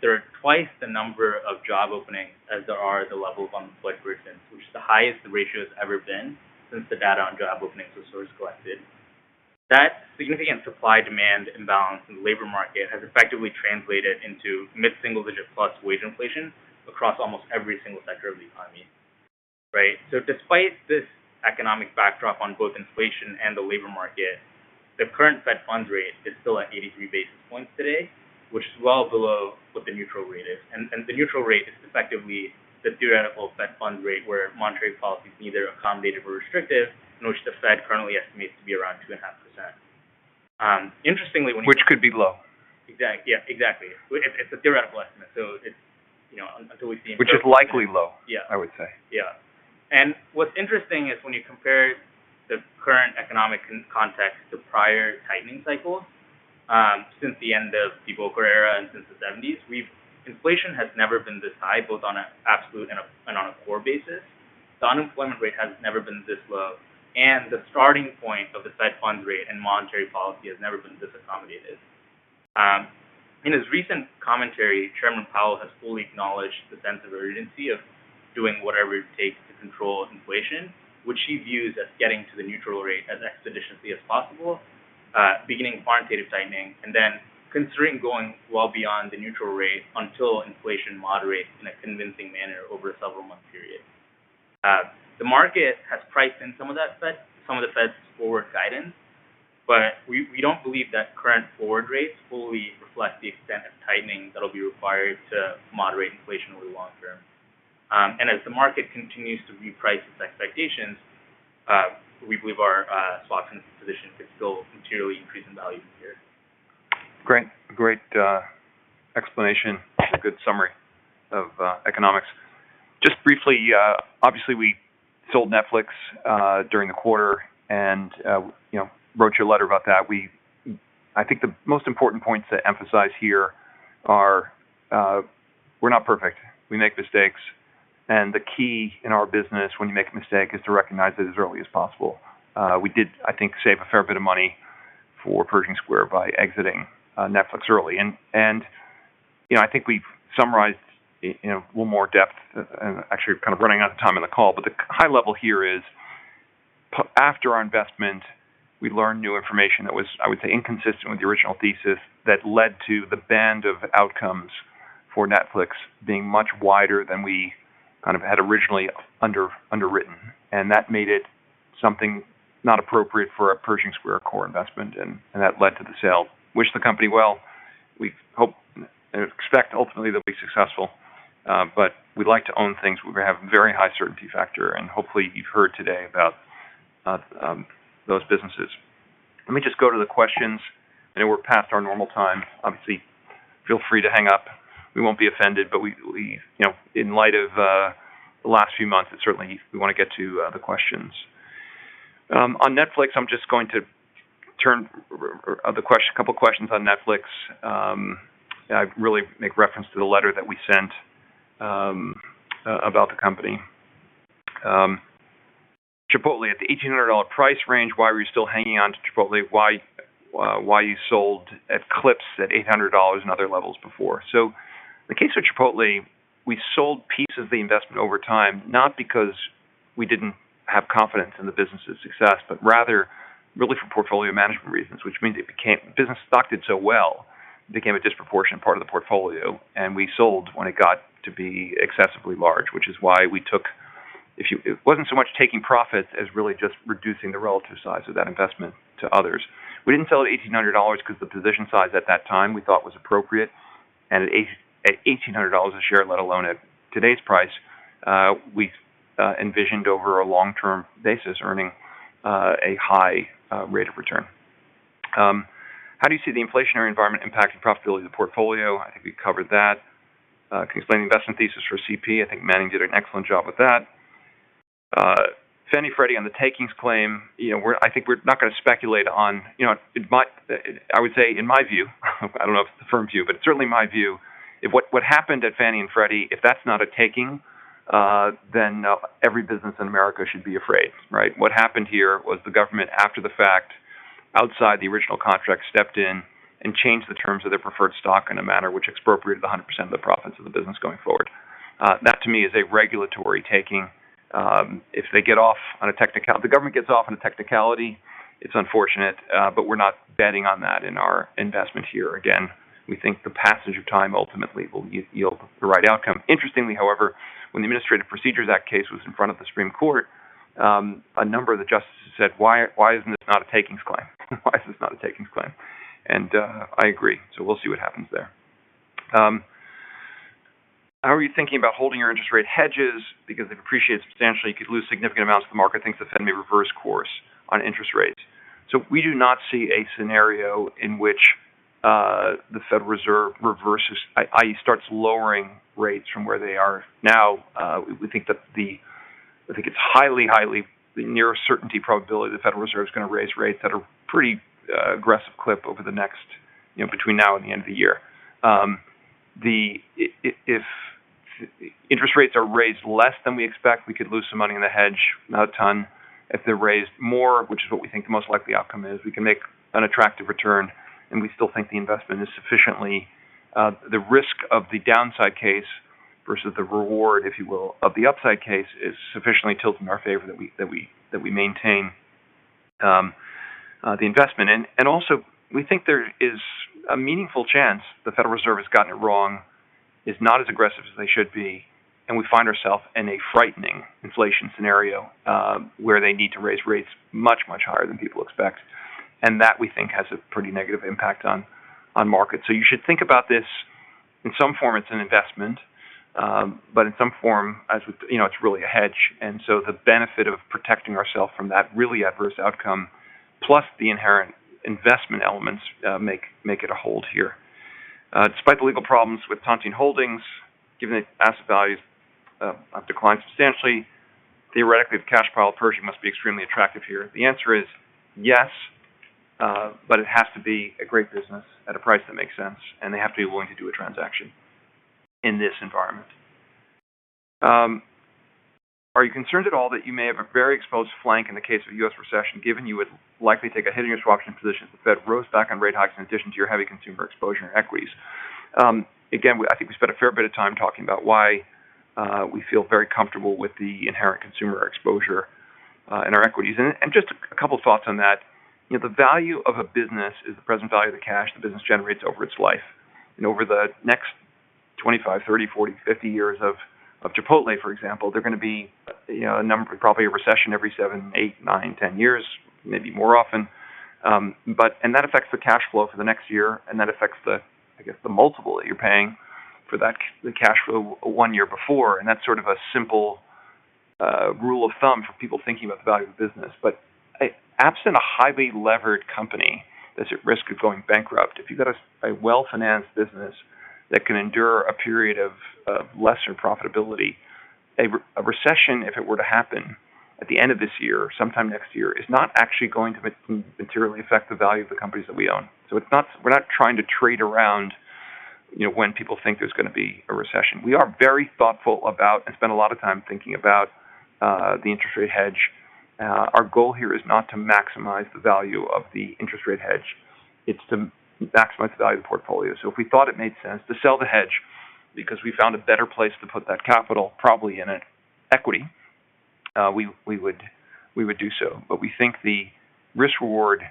There are twice the number of job openings as there are the level of unemployed persons, which is the highest the ratio has ever been since the data on job openings was first collected. That significant supply-demand imbalance in the labor market has effectively translated into mid-single-digit-plus wage inflation across almost every single sector of the economy. Right? Despite this economic backdrop on both inflation and the labor market, the current Fed funds rate is still at 83 bps today, which is well below what the neutral rate is. The neutral rate is effectively the theoretical Fed funds rate where monetary policy is neither accommodative or restrictive, which the Fed currently estimates to be around 2.5%. Interestingly, when you Which could be low. Yeah, exactly. It's a theoretical estimate, so it's you know, until we see. Which is likely low. Yeah I would say. Yeah. What's interesting is when you compare the current economic context to prior tightening cycles, since the end of the Volcker era and since the '70s, inflation has never been this high, both on an absolute and on a core basis. The unemployment rate has never been this low, and the starting point of the Fed funds rate and monetary policy has never been this accommodative. In his recent commentary, Jerome Powell has fully acknowledged the sense of urgency of doing whatever it takes to control inflation, which he views as getting to the neutral rate as expeditiously as possible, beginning quantitative tightening, and then considering going well beyond the neutral rate until inflation moderates in a convincing manner over a several-month period. The market has priced in some of the Fed's forward guidance, but we don't believe that current forward rates fully reflect the extent of tightening that'll be required to moderate inflation over the long-term. As the market continues to reprice its expectations, we believe our swaption position could still materially increase in value from here. Great explanation. Good summary of economics. Just briefly, obviously, we sold Netflix during the quarter and, you know, wrote you a letter about that. I think the most important points to emphasize here are, we're not perfect. We make mistakes. The key in our business when you make a mistake is to recognize it as early as possible. We did, I think, save a fair bit of money for Pershing Square by exiting Netflix early. You know, I think we've summarized in a little more depth, and actually kind of running out of time in the call, but the high level here is, after our investment, we learned new information that was, I would say, inconsistent with the original thesis that led to the band of outcomes for Netflix being much wider than we kind of had originally underwritten. That made it something not appropriate for a Pershing Square core investment, and that led to the sale. Wish the company well. We hope and expect ultimately they'll be successful. We like to own things where we have a very high certainty factor, and hopefully you've heard today about those businesses. Let me just go to the questions, and we're past our normal time. Obviously, feel free to hang up. We won't be offended, but you know, in light of the last few months, it's certainly. We want to get to the questions. On Netflix, a couple questions on Netflix. I really make reference to the letter that we sent about the company. Chipotle, at the $1,800 price range, why were you still hanging on to Chipotle? Why you sold at like $800 and other levels before? The case with Chipotle, we sold pieces of the investment over time, not because we didn't have confidence in the business's success, but rather really for portfolio management reasons, which means the business stock did so well, it became a disproportionate part of the portfolio. We sold when it got to be excessively large, which is why we took. It wasn't so much taking profits as really just reducing the relative size of that investment to others. We didn't sell at $1,800 because the position size at that time we thought was appropriate. At $1,800 a share, let alone at today's price, we envisioned over a long-term basis earning a high rate of return. How do you see the inflationary environment impacting profitability of the portfolio? I think we covered that. Can you explain the investment thesis for CP? I think Manning did an excellent job with that. Fannie Mae, Freddie Mac on the takings claim, you know, I think we're not going to speculate on, you know, I would say in my view, I don't know if it's the firm's view, but certainly my view, if what happened at Fannie Mae and Freddie Mac, if that's not a taking, then every business in America should be afraid, right? What happened here was the government after the fact, outside the original contract, stepped in and changed the terms of their preferred stock in a manner which expropriated 100% of the profits of the business going forward. That to me is a regulatory taking. If the government gets off on a technicality, it's unfortunate, but we're not betting on that in our investment here. Again, we think the passage of time ultimately will yield the right outcome. Interestingly, however, when the Administrative Procedure Act case was in front of the Supreme Court, a number of the justices said, "Why isn't this a takings claim?" I agree. We'll see what happens there. How are you thinking about holding your interest rate hedges because they've appreciated substantially? You could lose significant amounts if the market thinks the Fed may reverse course on interest rates. We do not see a scenario in which the Federal Reserve reverses, i.e., starts lowering rates from where they are now. We think that I think it's highly near certainty probability the Federal Reserve is going to raise rates at a pretty aggressive clip over the next, you know, between now and the end of the year. If interest rates are raised less than we expect, we could lose some money in the hedge, not a ton. If they're raised more, which is what we think the most likely outcome is, we can make an attractive return, and we still think the investment is sufficiently the risk of the downside case versus the reward, if you will, of the upside case is sufficiently tilted in our favor that we maintain the investment. We think there is a meaningful chance the Federal Reserve has gotten it wrong, is not as aggressive as they should be, and we find ourselves in a frightening inflation scenario, where they need to raise rates much, much higher than people expect. That, we think, has a pretty negative impact on markets. You should think about this, in some form it's an investment, but in some form, as with, you know, it's really a hedge. The benefit of protecting ourselves from that really adverse outcome, plus the inherent investment elements, make it a hold here. Despite the legal problems with Tontine Holdings, given the asset values have declined substantially, theoretically, the cash pile of Pershing must be extremely attractive here. The answer is yes, but it has to be a great business at a price that makes sense, and they have to be willing to do a transaction in this environment. Are you concerned at all that you may have a very exposed flank in the case of a U.S. recession, given you would likely take a hit in your swap position if the Fed rows back on rate hikes in addition to your heavy consumer exposure in equities? Again, I think we spent a fair bit of time talking about why we feel very comfortable with the inherent consumer exposure in our equities. Just a couple thoughts on that. You know, the value of a business is the present value of the cash the business generates over its life. Over the next 25, 30, 40, 50 years of Chipotle, for example, there are gonna be, you know, a number, probably a recession every seven, eight, nine, 10 years, maybe more often. That affects the cash flow for the next year, and that affects the, I guess, the multiple that you're paying for that, the cash flow one year before. That's sort of a simple rule of thumb for people thinking about the value of the business. Absent a highly levered company that's at risk of going bankrupt, if you've got a well-financed business that can endure a period of lesser profitability, a recession, if it were to happen at the end of this year or sometime next year, is not actually going to materially affect the value of the companies that we own. We're not trying to trade around, you know, when people think there's gonna be a recession. We are very thoughtful about and spend a lot of time thinking about the interest rate hedge. Our goal here is not to maximize the value of the interest rate hedge. It's to maximize the value of the portfolio. If we thought it made sense to sell the hedge because we found a better place to put that capital, probably in an equity, we would do so. We think the risk reward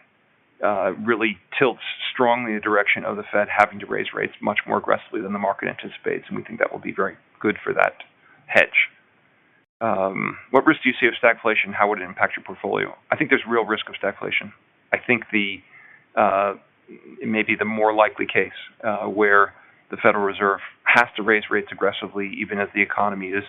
really tilts strongly in direction of the Fed having to raise rates much more aggressively than the market anticipates, and we think that will be very good for that hedge. What risk do you see of stagflation? How would it impact your portfolio? I think there's real risk of stagflation. I think it may be the more likely case where the Federal Reserve has to raise rates aggressively, even as the economy is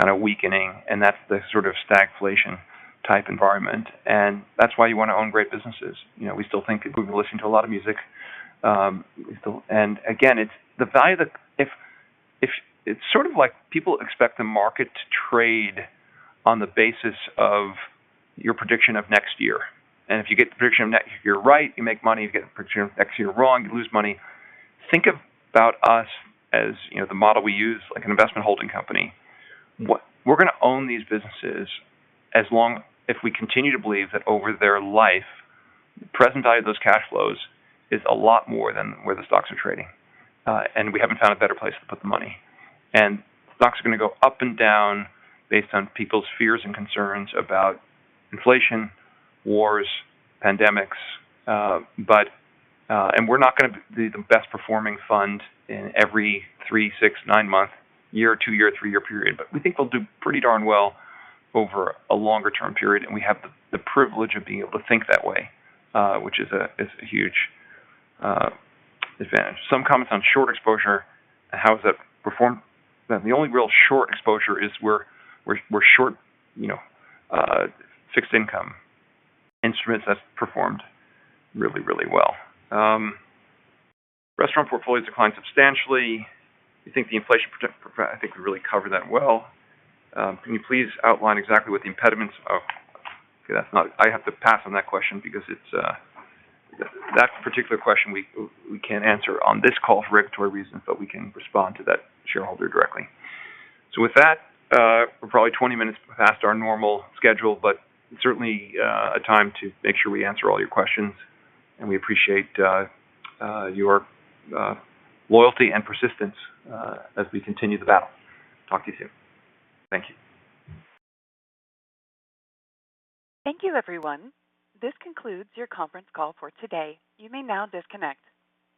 kind of weakening, and that's the sort of stagflation type environment. That's why you wanna own great businesses. You know, we still think people listen to a lot of music. We still think people listen to a lot of music. Again, it's the value that if. It's sort of like people expect the market to trade on the basis of your prediction of next year. If you get the prediction of next year right, you make money. If you get the prediction of next year wrong, you lose money. Think about us as, you know, the model we use, like an investment holding company. We're gonna own these businesses as long as if we continue to believe that over their life, the present value of those cash flows is a lot more than where the stocks are trading, and we haven't found a better place to put the money. Stocks are gonna go up and down based on people's fears and concerns about inflation, wars, pandemics, but we're not gonna be the best performing fund in every three, six, nine-month, year, two-year, three-year period. We think they'll do pretty darn well over a longer term period, and we have the privilege of being able to think that way, which is a huge advantage. Some comments on short exposure. How has that performed? The only real short exposure is we're short, you know, fixed income instruments that's performed really well. Restaurant portfolios declined substantially. I think we really covered that well. I have to pass on that question because that particular question we can't answer on this call for regulatory reasons, but we can respond to that shareholder directly. With that, we're probably 20 minutes past our normal schedule, but certainly a time to make sure we answer all your questions, and we appreciate your loyalty and persistence as we continue the battle. Talk to you soon. Thank you. Thank you, everyone. This concludes your conference call for today. You may now disconnect.